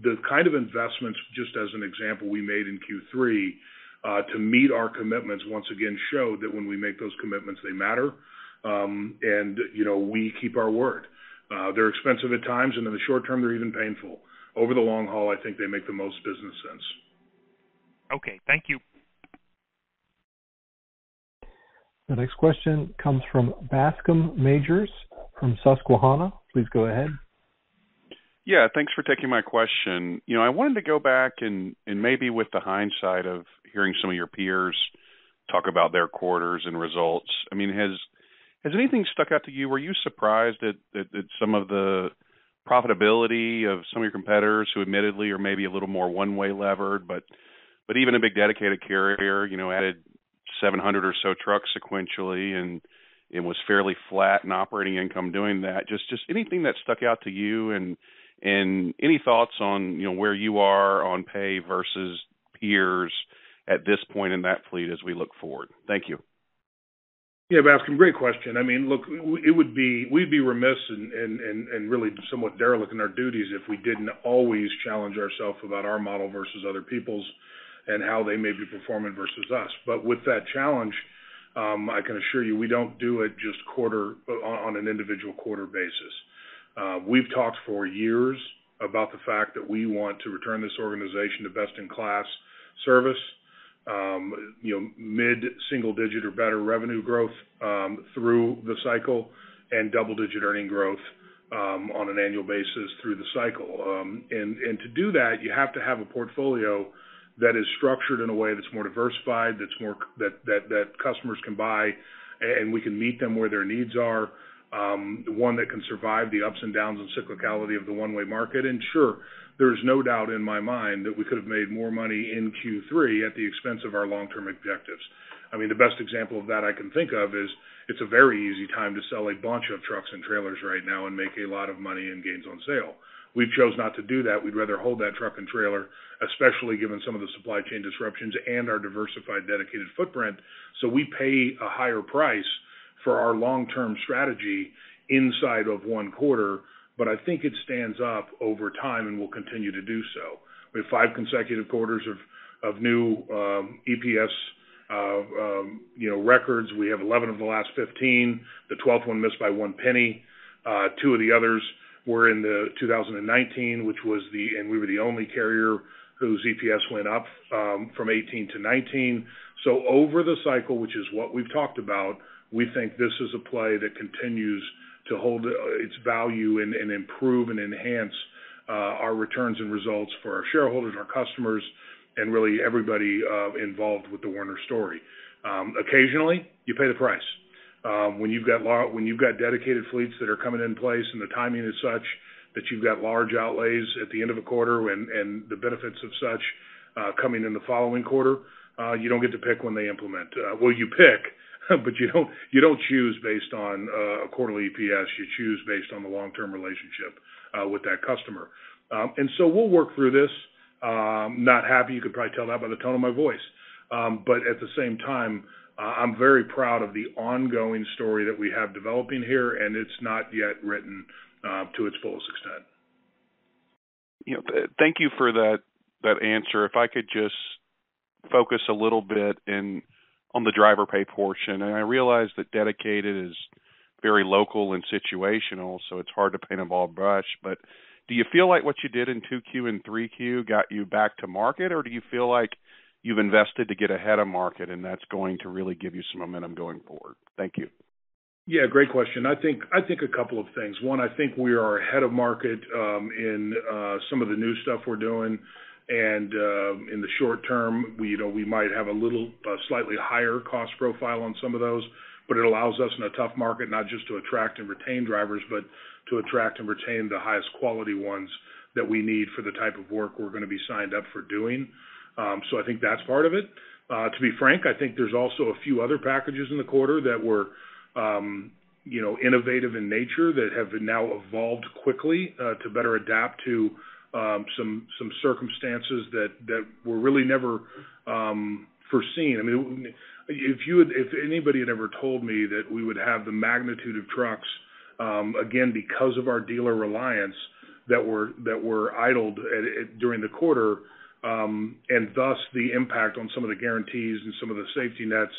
the kind of investments, just as an example, we made in Q3 to meet our commitments, once again, show that when we make those commitments, they matter, you know, we keep our word. They're expensive at times, and in the short term, they're even painful. Over the long haul, I think they make the most business sense. Okay, thank you. The next question comes from Bascome Majors from Susquehanna. Please go ahead. Yeah, thanks for taking my question. You know, I wanted to go back and maybe with the hindsight of hearing some of your peers talk about their quarters and results. I mean, has anything stuck out to you? Were you surprised at some of the profitability of some of your competitors who admittedly are maybe a little more one-way levered, but even a big dedicated carrier, you know, added 700 or so trucks sequentially and it was fairly flat in operating income doing that. Just anything that stuck out to you and any thoughts on, you know, where you are on pay versus peers at this point in that fleet as we look forward? Thank you. Yeah, Bascome, great question. I mean, look, it would be we'd be remiss and really somewhat derelict in our duties if we didn't always challenge ourselves about our model versus other people's and how they may be performing versus us. With that challenge, I can assure you, we don't do it just on an individual quarter basis. We've talked for years about the fact that we want to return this organization to best-in-class service, you know, mid-single-digit or better revenue growth, through the cycle and double-digit earnings growth, on an annual basis through the cycle. To do that, you have to have a portfolio that is structured in a way that's more diversified, that customers can buy, and we can meet them where their needs are, one that can survive the ups and downs and cyclicality of the one-way market. Sure, there is no doubt in my mind that we could have made more money in Q3 at the expense of our long-term objectives. I mean, the best example of that I can think of is it's a very easy time to sell a bunch of trucks and trailers right now and make a lot of money and gains on sale. We've chose not to do that. We'd rather hold that truck and trailer, especially given some of the supply chain disruptions and our diversified dedicated footprint. We pay a higher price for our long-term strategy inside of one quarter, but I think it stands up over time and will continue to do so. We have five consecutive quarters of new EPS, you know, records. We have 11 of the last 15. The 12th one missed by $0.01. Two of the others were in 2019, which was the year we were the only carrier whose EPS went up from 2018-2019. Over the cycle, which is what we've talked about, we think this is a play that continues to hold its value and improve and enhance our returns and results for our shareholders, our customers, and really everybody involved with the Werner story. Occasionally, you pay the price. When you've got dedicated fleets that are coming in place and the timing is such that you've got large outlays at the end of a quarter and the benefits of such coming in the following quarter, you don't get to pick when they implement. Well, you pick, but you don't choose based on a quarterly EPS. You choose based on the long-term relationship with that customer. We'll work through this. Not happy, you could probably tell that by the tone of my voice. At the same time, I'm very proud of the ongoing story that we have developing here, and it's not yet written to its fullest extent. You know, thank you for that answer. If I could just focus a little bit on the driver pay portion. I realize that dedicated is very local and situational, so it's hard to paint a broad brush. Do you feel like what you did in 2Q and 3Q got you back to market, or do you feel like you've invested to get ahead of market and that's going to really give you some momentum going forward? Thank you. Yeah, great question. I think a couple of things. One, I think we are ahead of market in some of the new stuff we're doing, and in the short term, you know, we might have a little slightly higher cost profile on some of those, but it allows us in a tough market, not just to attract and retain drivers, but to attract and retain the highest quality ones that we need for the type of work we're gonna be signed up for doing. So I think that's part of it. To be frank, I think there's also a few other packages in the quarter that were innovative in nature that have now evolved quickly to better adapt to some circumstances that were really never foreseen. I mean, if anybody had ever told me that we would have the magnitude of trucks, again, because of our dealer reliance that were idled during the quarter, and thus the impact on some of the guarantees and some of the safety nets,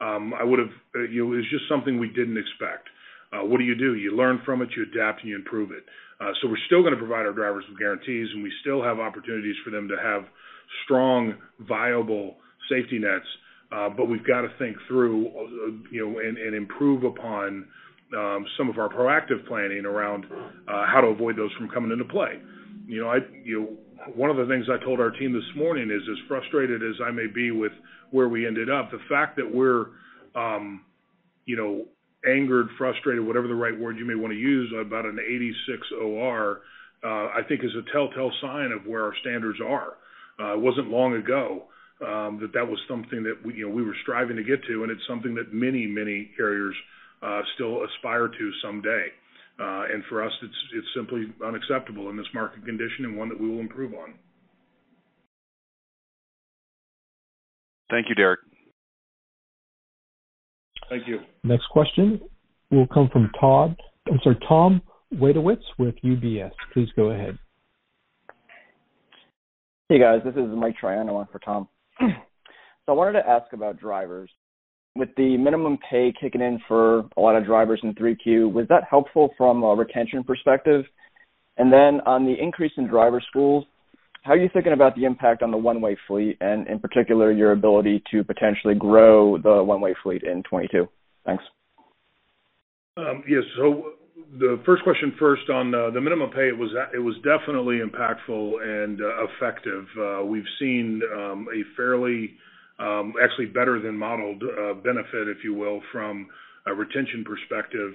I would have. You know, it's just something we didn't expect. What do you do? You learn from it, you adapt, and you improve it. We're still gonna provide our drivers with guarantees, and we still have opportunities for them to have strong, viable safety nets. We've got to think through, you know, and improve upon some of our proactive planning around how to avoid those from coming into play. You know, one of the things I told our team this morning is, as frustrated as I may be with where we ended up, the fact that we're, you know, angered, frustrated, whatever the right word you may want to use about an 86 OR, I think is a telltale sign of where our standards are. It wasn't long ago, that that was something that we, you know, we were striving to get to, and it's something that many, many carriers still aspire to someday. For us, it's simply unacceptable in this market condition and one that we will improve on. Thank you, Derek. Thank you. Next question will come from Todd. I'm sorry. Tom Wadewitz with UBS. Please go ahead. Hey, guys. This is Mike Triantafillou for Tom. I wanted to ask about drivers. With the minimum pay kicking in for a lot of drivers in 3Q, was that helpful from a retention perspective? Then on the increase in driver schools, how are you thinking about the impact on the one-way fleet and, in particular, your ability to potentially grow the one-way fleet in 2022? Thanks. Yes. The first question first on the minimum pay, it was definitely impactful and effective. We've seen a fairly actually better than modeled benefit, if you will, from a retention perspective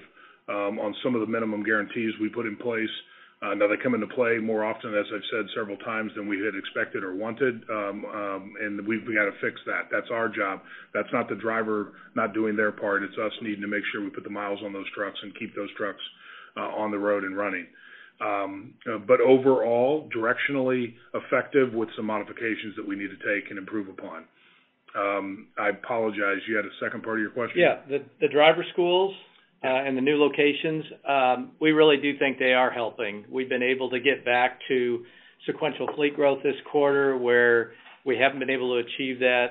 on some of the minimum guarantees we put in place. Now they come into play more often, as I've said several times, than we had expected or wanted, and we've got to fix that. That's our job. That's not the driver not doing their part. It's us needing to make sure we put the miles on those trucks and keep those trucks on the road and running. Overall, directionally effective with some modifications that we need to take and improve upon. I apologize. You had a second part of your question? Yeah. The driver schools and the new locations we really do think they are helping. We've been able to get back to sequential fleet growth this quarter, where we haven't been able to achieve that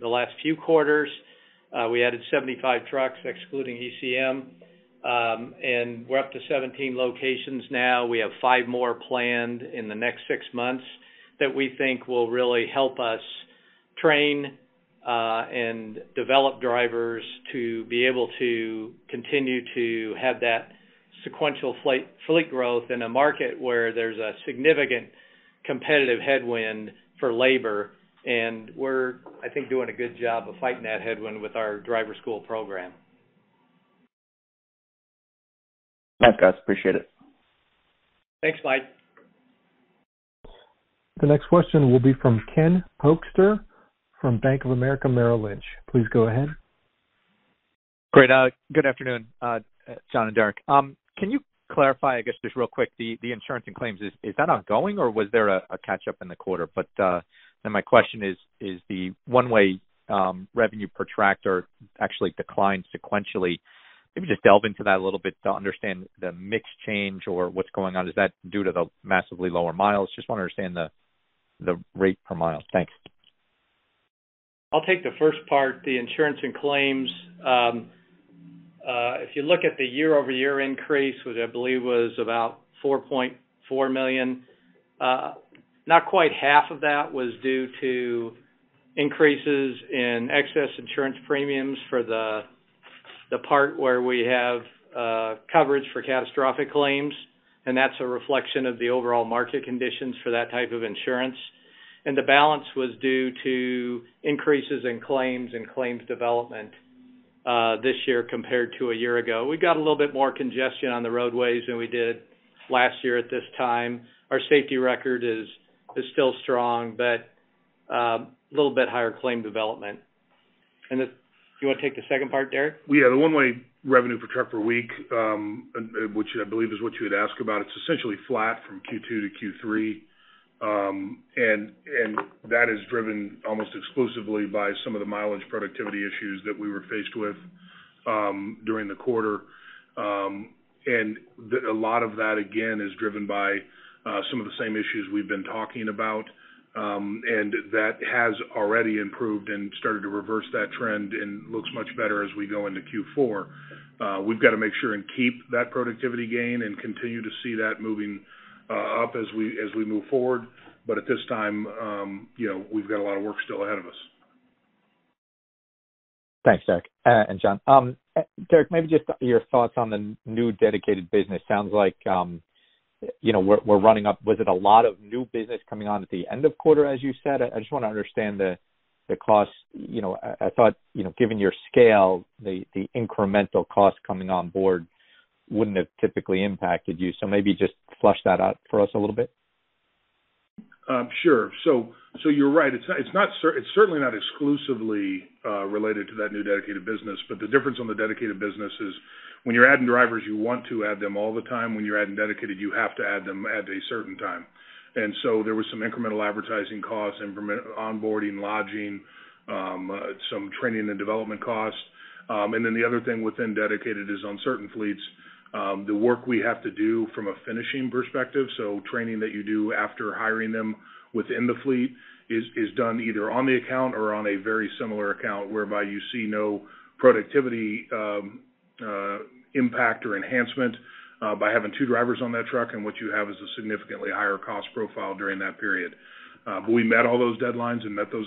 the last few quarters. We added 75 trucks, excluding ECM, and we're up to 17 locations now. We have 5 more planned in the next six months that we think will really help us train and develop drivers to be able to continue to have that sequential fleet growth in a market where there's a significant competitive headwind for labor. We're, I think, doing a good job of fighting that headwind with our driver school program. Thanks, guys. Appreciate it. Thanks, Mike. The next question will be from Ken Hoexter from Bank of America Merrill Lynch. Please go ahead. Great. Good afternoon, John and Derek. Can you clarify, I guess, just real quick, the insurance and claims, is that ongoing, or was there a catch-up in the quarter? My question is the one-way revenue per tractor actually declined sequentially. Maybe just delve into that a little bit to understand the mix change or what's going on. Is that due to the massively lower miles? Just wanna understand the rate per mile. Thanks. I'll take the first part, the insurance and claims. If you look at the year-over-year increase, which I believe was about $4.4 million, not quite half of that was due to increases in excess insurance premiums for the part where we have coverage for catastrophic claims, and that's a reflection of the overall market conditions for that type of insurance. The balance was due to increases in claims and claims development this year compared to a year ago. We got a little bit more congestion on the roadways than we did last year at this time. Our safety record is still strong, but a little bit higher claim development. Do you wanna take the second part, Derek? Yeah. The one-way revenue per tractor per week, which I believe is what you had asked about, it's essentially flat from Q2-Q3. That is driven almost exclusively by some of the mileage productivity issues that we were faced with during the quarter. A lot of that, again, is driven by some of the same issues we've been talking about. That has already improved and started to reverse that trend and looks much better as we go into Q4. We've got to make sure and keep that productivity gain and continue to see that moving up as we move forward. At this time, you know, we've got a lot of work still ahead of us. Thanks, Derek, and John. Derek, maybe just your thoughts on the new dedicated business. Sounds like, you know, we're running up. Was it a lot of new business coming on at the end of quarter, as you said? I just wanna understand the cost. You know, I thought, you know, given your scale, the incremental cost coming on board wouldn't have typically impacted you. Maybe just flesh that out for us a little bit. Sure. You're right. It's certainly not exclusively related to that new dedicated business, but the difference on the dedicated business is when you're adding drivers, you want to add them all the time. When you're adding dedicated, you have to add them at a certain time. There was some incremental advertising costs, incremental onboarding, lodging, some training and development costs. Then the other thing within dedicated is on certain fleets, the work we have to do from a finishing perspective, so training that you do after hiring them within the fleet is done either on the account or on a very similar account, whereby you see no productivity impact or enhancement by having two drivers on that truck, and what you have is a significantly higher cost profile during that period. We met all those deadlines and met those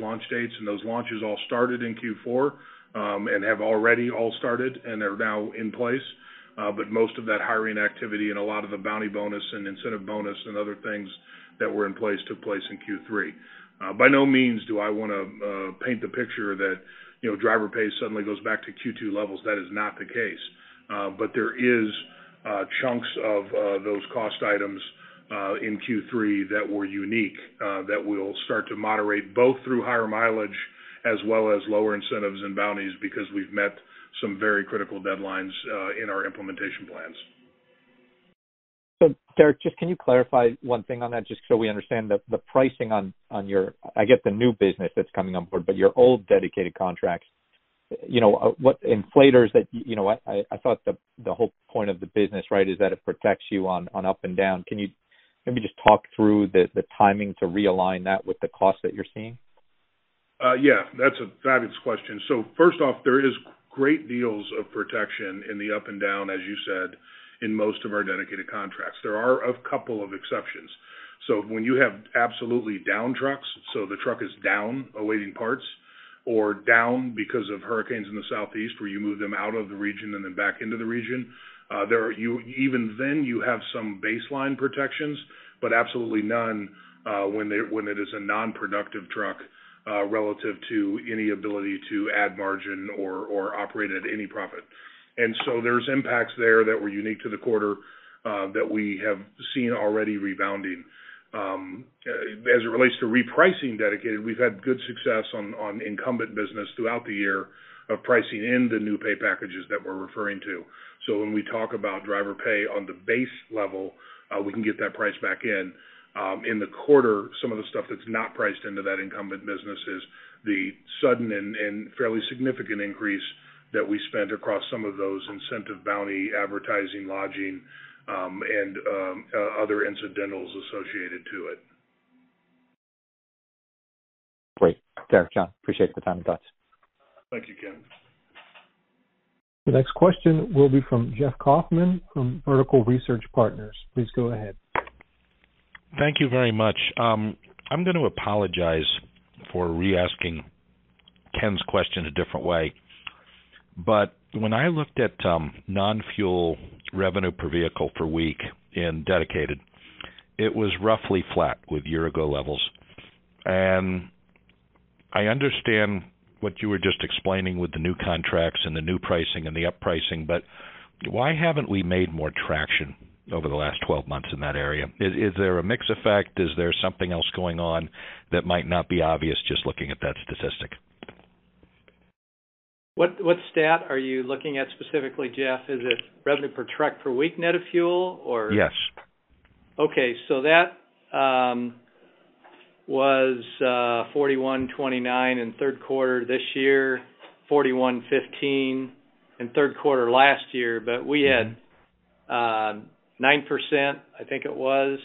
launch dates, and those launches all started in Q4 and have already all started and are now in place. Most of that hiring activity and a lot of the bounty bonus and incentive bonus and other things that were in place took place in Q3. By no means do I wanna paint the picture that, you know, driver pay suddenly goes back to Q2 levels. That is not the case. There is chunks of those cost items in Q3 that were unique that will start to moderate both through higher mileage as well as lower incentives and bounties because we've met some very critical deadlines in our implementation plans. Derek, just can you clarify one thing on that just so we understand the pricing on your. I get the new business that's coming on board, but your old dedicated contracts, you know, what inflators that. You know, I thought the whole point of the business, right, is that it protects you on up and down. Can you maybe just talk through the timing to realign that with the cost that you're seeing? Yeah, that's a fabulous question. First off, there is a great deal of protection in the up and down, as you said, in most of our dedicated contracts. There are a couple of exceptions. When you have absolutely down trucks, the truck is down awaiting parts or down because of hurricanes in the Southeast, where you move them out of the region and then back into the region, even then you have some baseline protections, but absolutely none when it is a non-productive truck relative to any ability to add margin or operate it at any profit. There's impacts there that were unique to the quarter that we have seen already rebounding. As it relates to repricing dedicated, we've had good success on incumbent business throughout the year of pricing in the new pay packages that we're referring to. When we talk about driver pay on the base level, we can get that price back in. In the quarter, some of the stuff that's not priced into that incumbent business is the sudden and fairly significant increase that we spent across some of those incentive bounty advertising, lodging, and other incidentals associated to it. Great. Derek, John, I appreciate the time and thoughts. Thank you, Ken. The next question will be from Jeff Kauffman from Vertical Research Partners. Please go ahead. Thank you very much. I'm gonna apologize for re-asking Ken's question a different way. When I looked at non-fuel revenue per vehicle per week in Dedicated, it was roughly flat with year-ago levels. I understand what you were just explaining with the new contracts and the new pricing and the up-pricing, but why haven't we made more traction over the last 12 months in that area? Is there a mix effect? Is there something else going on that might not be obvious just looking at that statistic? What stat are you looking at specifically, Jeff? Is it revenue per truck per week net of fuel or. Yes. Okay. That was 41.29 in third quarter this year, 41.15 in third quarter last year. But we had 9%, I think it was,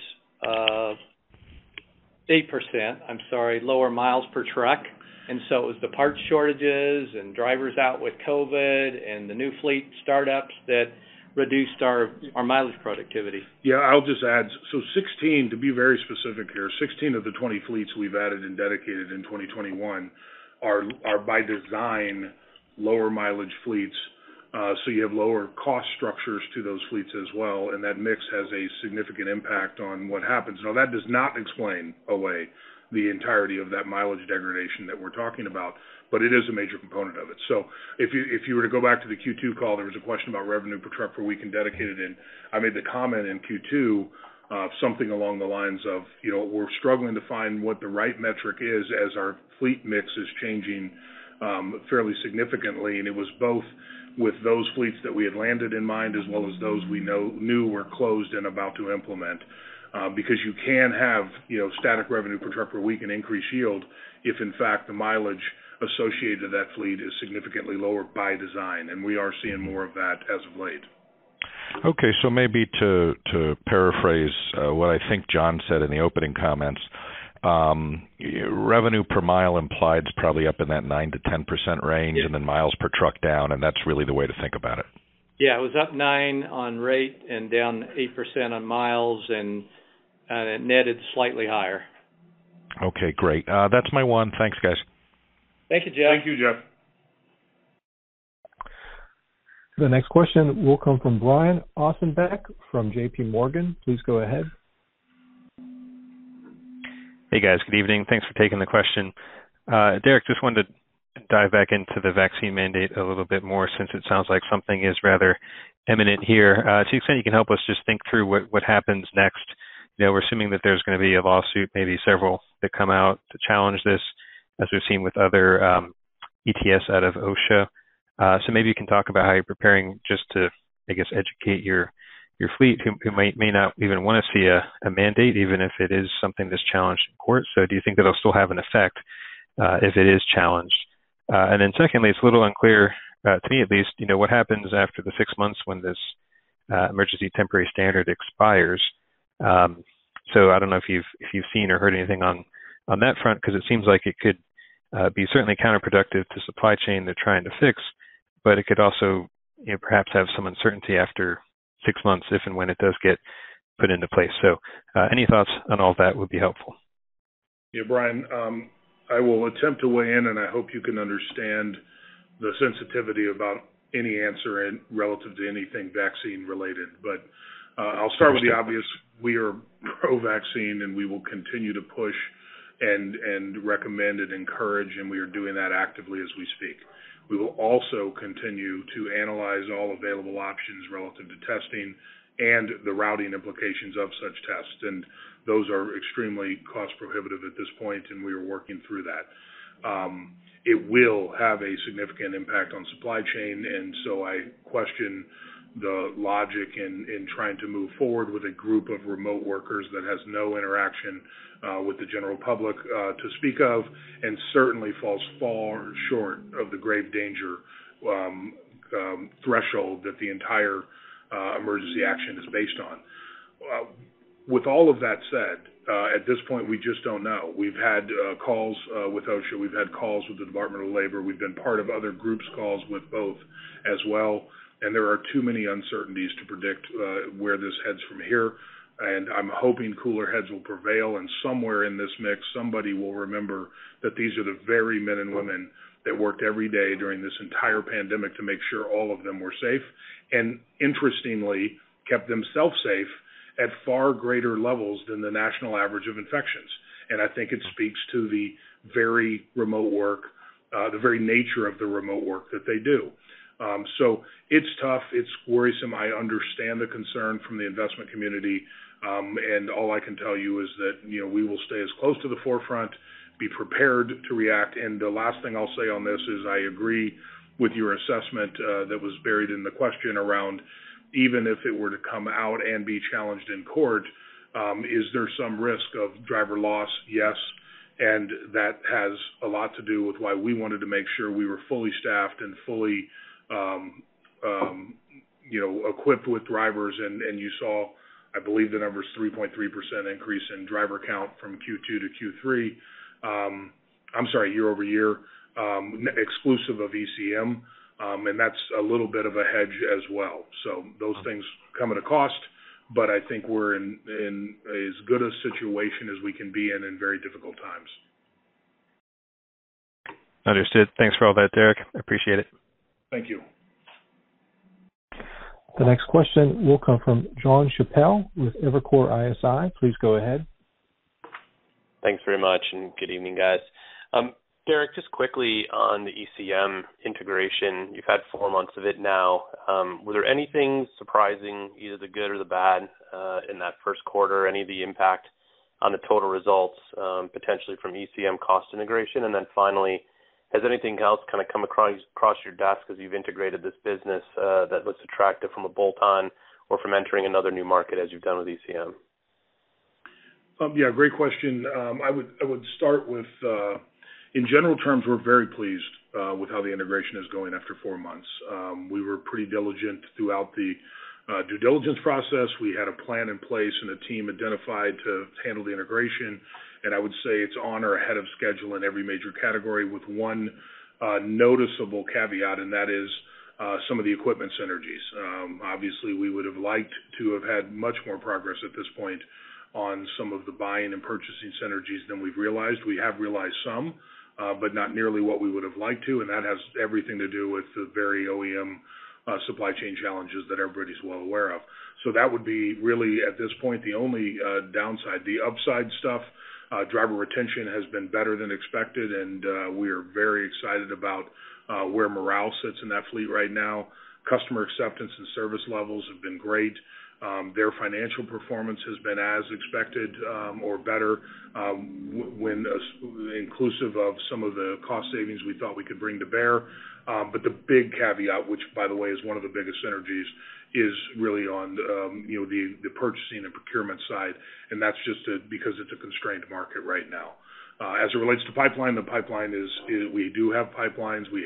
eight percent, I'm sorry, lower miles per truck. It was the parts shortages and drivers out with COVID and the new fleet startups that reduced our mileage productivity. Yeah. I'll just add. 16, to be very specific here, 16 of the 20 fleets we've added in Dedicated in 2021 are by design lower mileage fleets. You have lower cost structures to those fleets as well, and that mix has a significant impact on what happens. Now that does not explain away the entirety of that mileage degradation that we're talking about, but it is a major component of it. If you were to go back to the Q2 call, there was a question about revenue per truck per week in Dedicated, and I made the comment in Q2, something along the lines of, you know, we're struggling to find what the right metric is as our fleet mix is changing fairly significantly. It was both with those fleets that we had landed in mind as well as those we knew were closed and about to implement. Because you can have, you know, static revenue per truck per week and increased yield if in fact the mileage associated to that fleet is significantly lower by design, and we are seeing more of that as of late. Maybe to paraphrase what I think John said in the opening comments, revenue per mile implied is probably up in that 9%-10% range. Yeah. miles per truck down, and that's really the way to think about it. Yeah. It was up nine on rate and down 8% on miles and it netted slightly higher. Okay, great. That's my one. Thanks, guys. Thank you, Jeff. Thank you, Jeff. The next question will come from Brian Ossenbeck from JPMorgan. Please go ahead. Hey guys, good evening. Thanks for taking the question. Derek, just wanted to dive back into the vaccine mandate a little bit more, since it sounds like something is rather imminent here. To the extent you can help us just think through what happens next. You know, we're assuming that there's gonna be a lawsuit, maybe several, that come out to challenge this, as we've seen with other ETS out of OSHA. Maybe you can talk about how you're preparing just to, I guess, educate your fleet who may not even wanna see a mandate, even if it is something that's challenged in court. Do you think it'll still have an effect if it is challenged? Secondly, it's a little unclear to me at least, you know, what happens after the six months when this emergency temporary standard expires. I don't know if you've seen or heard anything on that front, 'cause it seems like it could be certainly counterproductive to supply chain they're trying to fix, but it could also, you know, perhaps have some uncertainty after six months if and when it does get put into place. Any thoughts on all that would be helpful. Yeah, Brian, I will attempt to weigh in, and I hope you can understand the sensitivity about any answer in relation to anything vaccine related. I'll start with the obvious. We are pro-vaccine, and we will continue to push and recommend and encourage, and we are doing that actively as we speak. We will also continue to analyze all available options relative to testing and the routing implications of such tests, and those are extremely cost-prohibitive at this point, and we are working through that. It will have a significant impact on supply chain, and so I question the logic in trying to move forward with a group of remote workers that has no interaction with the general public to speak of, and certainly falls far short of the grave danger threshold that the entire emergency action is based on. With all of that said, at this point, we just don't know. We've had calls with OSHA, we've had calls with the Department of Labor. We've been part of other groups' calls with both as well, and there are too many uncertainties to predict where this heads from here. I'm hoping cooler heads will prevail, and somewhere in this mix, somebody will remember that these are the very men and women that worked every day during this entire pandemic to make sure all of them were safe, and interestingly, kept themselves safe at far greater levels than the national average of infections. I think it speaks to the very remote work, the very nature of the remote work that they do. It's tough. It's worrisome. I understand the concern from the investment community, and all I can tell you is that, you know, we will stay as close to the forefront, be prepared to react. The last thing I'll say on this is I agree with your assessment, that was buried in the question around even if it were to come out and be challenged in court, is there some risk of driver loss? Yes. That has a lot to do with why we wanted to make sure we were fully staffed and fully, you know, equipped with drivers. You saw, I believe the number is 3.3% increase in driver count from Q2-Q3. I'm sorry, year-over-year, exclusive of ECM. That's a little bit of a hedge as well. Those things come at a cost, but I think we're in as good a situation as we can be in in very difficult times. Understood. Thanks for all that, Derek. I appreciate it. Thank you. The next question will come from Jonathan Chappell with Evercore ISI. Please go ahead. Thanks very much, and good evening, guys. Derek, just quickly on the ECM integration. You've had four months of it now. Was there anything surprising, either the good or the bad, in that first quarter? Any of the impact on the total results, potentially from ECM cost integration? Then finally, has anything else kinda come across your desk as you've integrated this business, that was attractive from a bolt-on or from entering another new market as you've done with ECM? Yeah, great question. I would start with in general terms, we're very pleased with how the integration is going after four months. We were pretty diligent throughout the due diligence process. We had a plan in place and a team identified to handle the integration. I would say it's on or ahead of schedule in every major category with one noticeable caveat, and that is some of the equipment synergies. Obviously we would have liked to have had much more progress at this point on some of the buying and purchasing synergies than we've realized. We have realized some, but not nearly what we would have liked to, and that has everything to do with the very OEM supply chain challenges that everybody's well aware of. That would be really, at this point, the only downside. The upside stuff, driver retention has been better than expected, and we are very excited about where morale sits in that fleet right now. Customer acceptance and service levels have been great. Their financial performance has been as expected, or better, when inclusive of some of the cost savings we thought we could bring to bear. The big caveat, which by the way is one of the biggest synergies, is really on you know, the purchasing and procurement side, and that's just because it's a constrained market right now. As it relates to pipeline, the pipeline is. We do have pipelines. We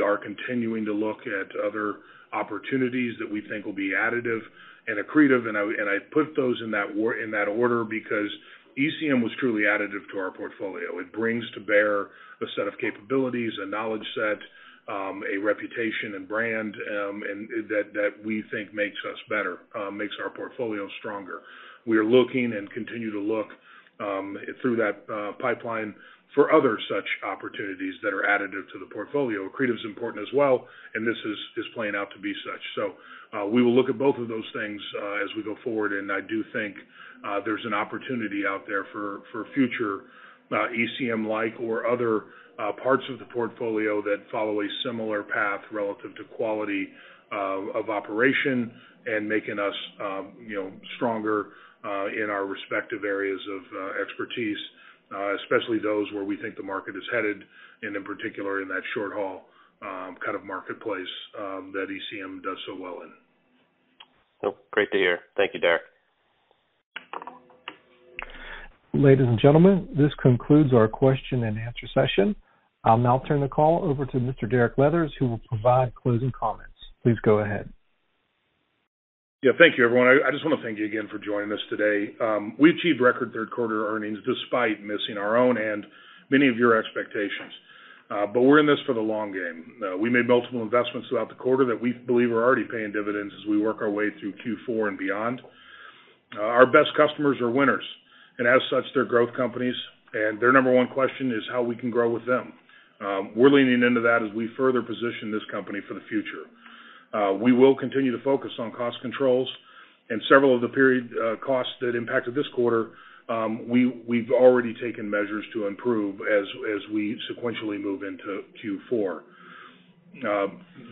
are continuing to look at other opportunities that we think will be additive and accretive, and I put those in that order because ECM was truly additive to our portfolio. It brings to bear a set of capabilities, a knowledge set, a reputation and brand, and that we think makes us better, makes our portfolio stronger. We are looking and continue to look through that pipeline for other such opportunities that are additive to the portfolio. Accretive is important as well, and this is playing out to be such. We will look at both of those things as we go forward, and I do think there's an opportunity out there for future ECM-like or other parts of the portfolio that follow a similar path relative to quality of operation and making us, you know, stronger in our respective areas of expertise, especially those where we think the market is headed, and in particular, in that short haul kind of marketplace that ECM does so well in. Oh, great to hear. Thank you, Derek. Ladies and gentlemen, this concludes our question and answer session. I'll now turn the call over to Mr. Derek Leathers, who will provide closing comments. Please go ahead. Yeah. Thank you everyone. I just wanna thank you again for joining us today. We achieved record third quarter earnings despite missing our own and many of your expectations. We're in this for the long game. We made multiple investments throughout the quarter that we believe are already paying dividends as we work our way through Q4 and beyond. Our best customers are winners. As such, they're growth companies, and their number one question is how we can grow with them. We're leaning into that as we further position this company for the future. We will continue to focus on cost controls, and several of the period costs that impacted this quarter, we've already taken measures to improve as we sequentially move into Q4.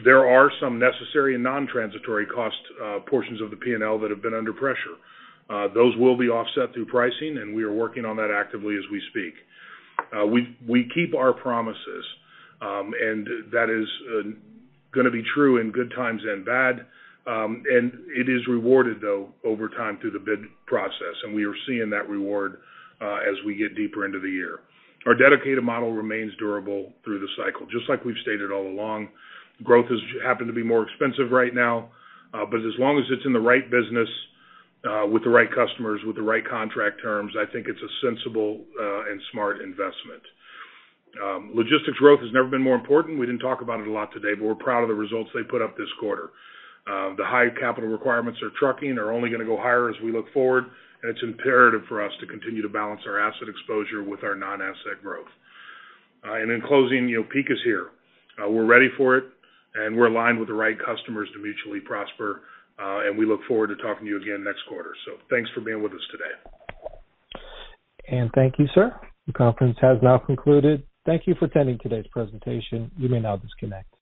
There are some necessary and non-transitory cost portions of the P&L that have been under pressure. Those will be offset through pricing, and we are working on that actively as we speak. We keep our promises, and that is gonna be true in good times and bad. It is rewarded though over time through the bid process, and we are seeing that reward as we get deeper into the year. Our dedicated model remains durable through the cycle, just like we've stated all along. Growth has happened to be more expensive right now, but as long as it's in the right business, with the right customers, with the right contract terms, I think it's a sensible and smart investment. Logistics growth has never been more important. We didn't talk about it a lot today, but we're proud of the results they put up this quarter. The high capital requirements for trucking are only gonna go higher as we look forward, and it's imperative for us to continue to balance our asset exposure with our non-asset growth. In closing, you know, peak is here. We're ready for it, and we're aligned with the right customers to mutually prosper, and we look forward to talking to you again next quarter. Thanks for being with us today. Thank you, sir. The conference has now concluded. Thank you for attending today's presentation. You may now disconnect.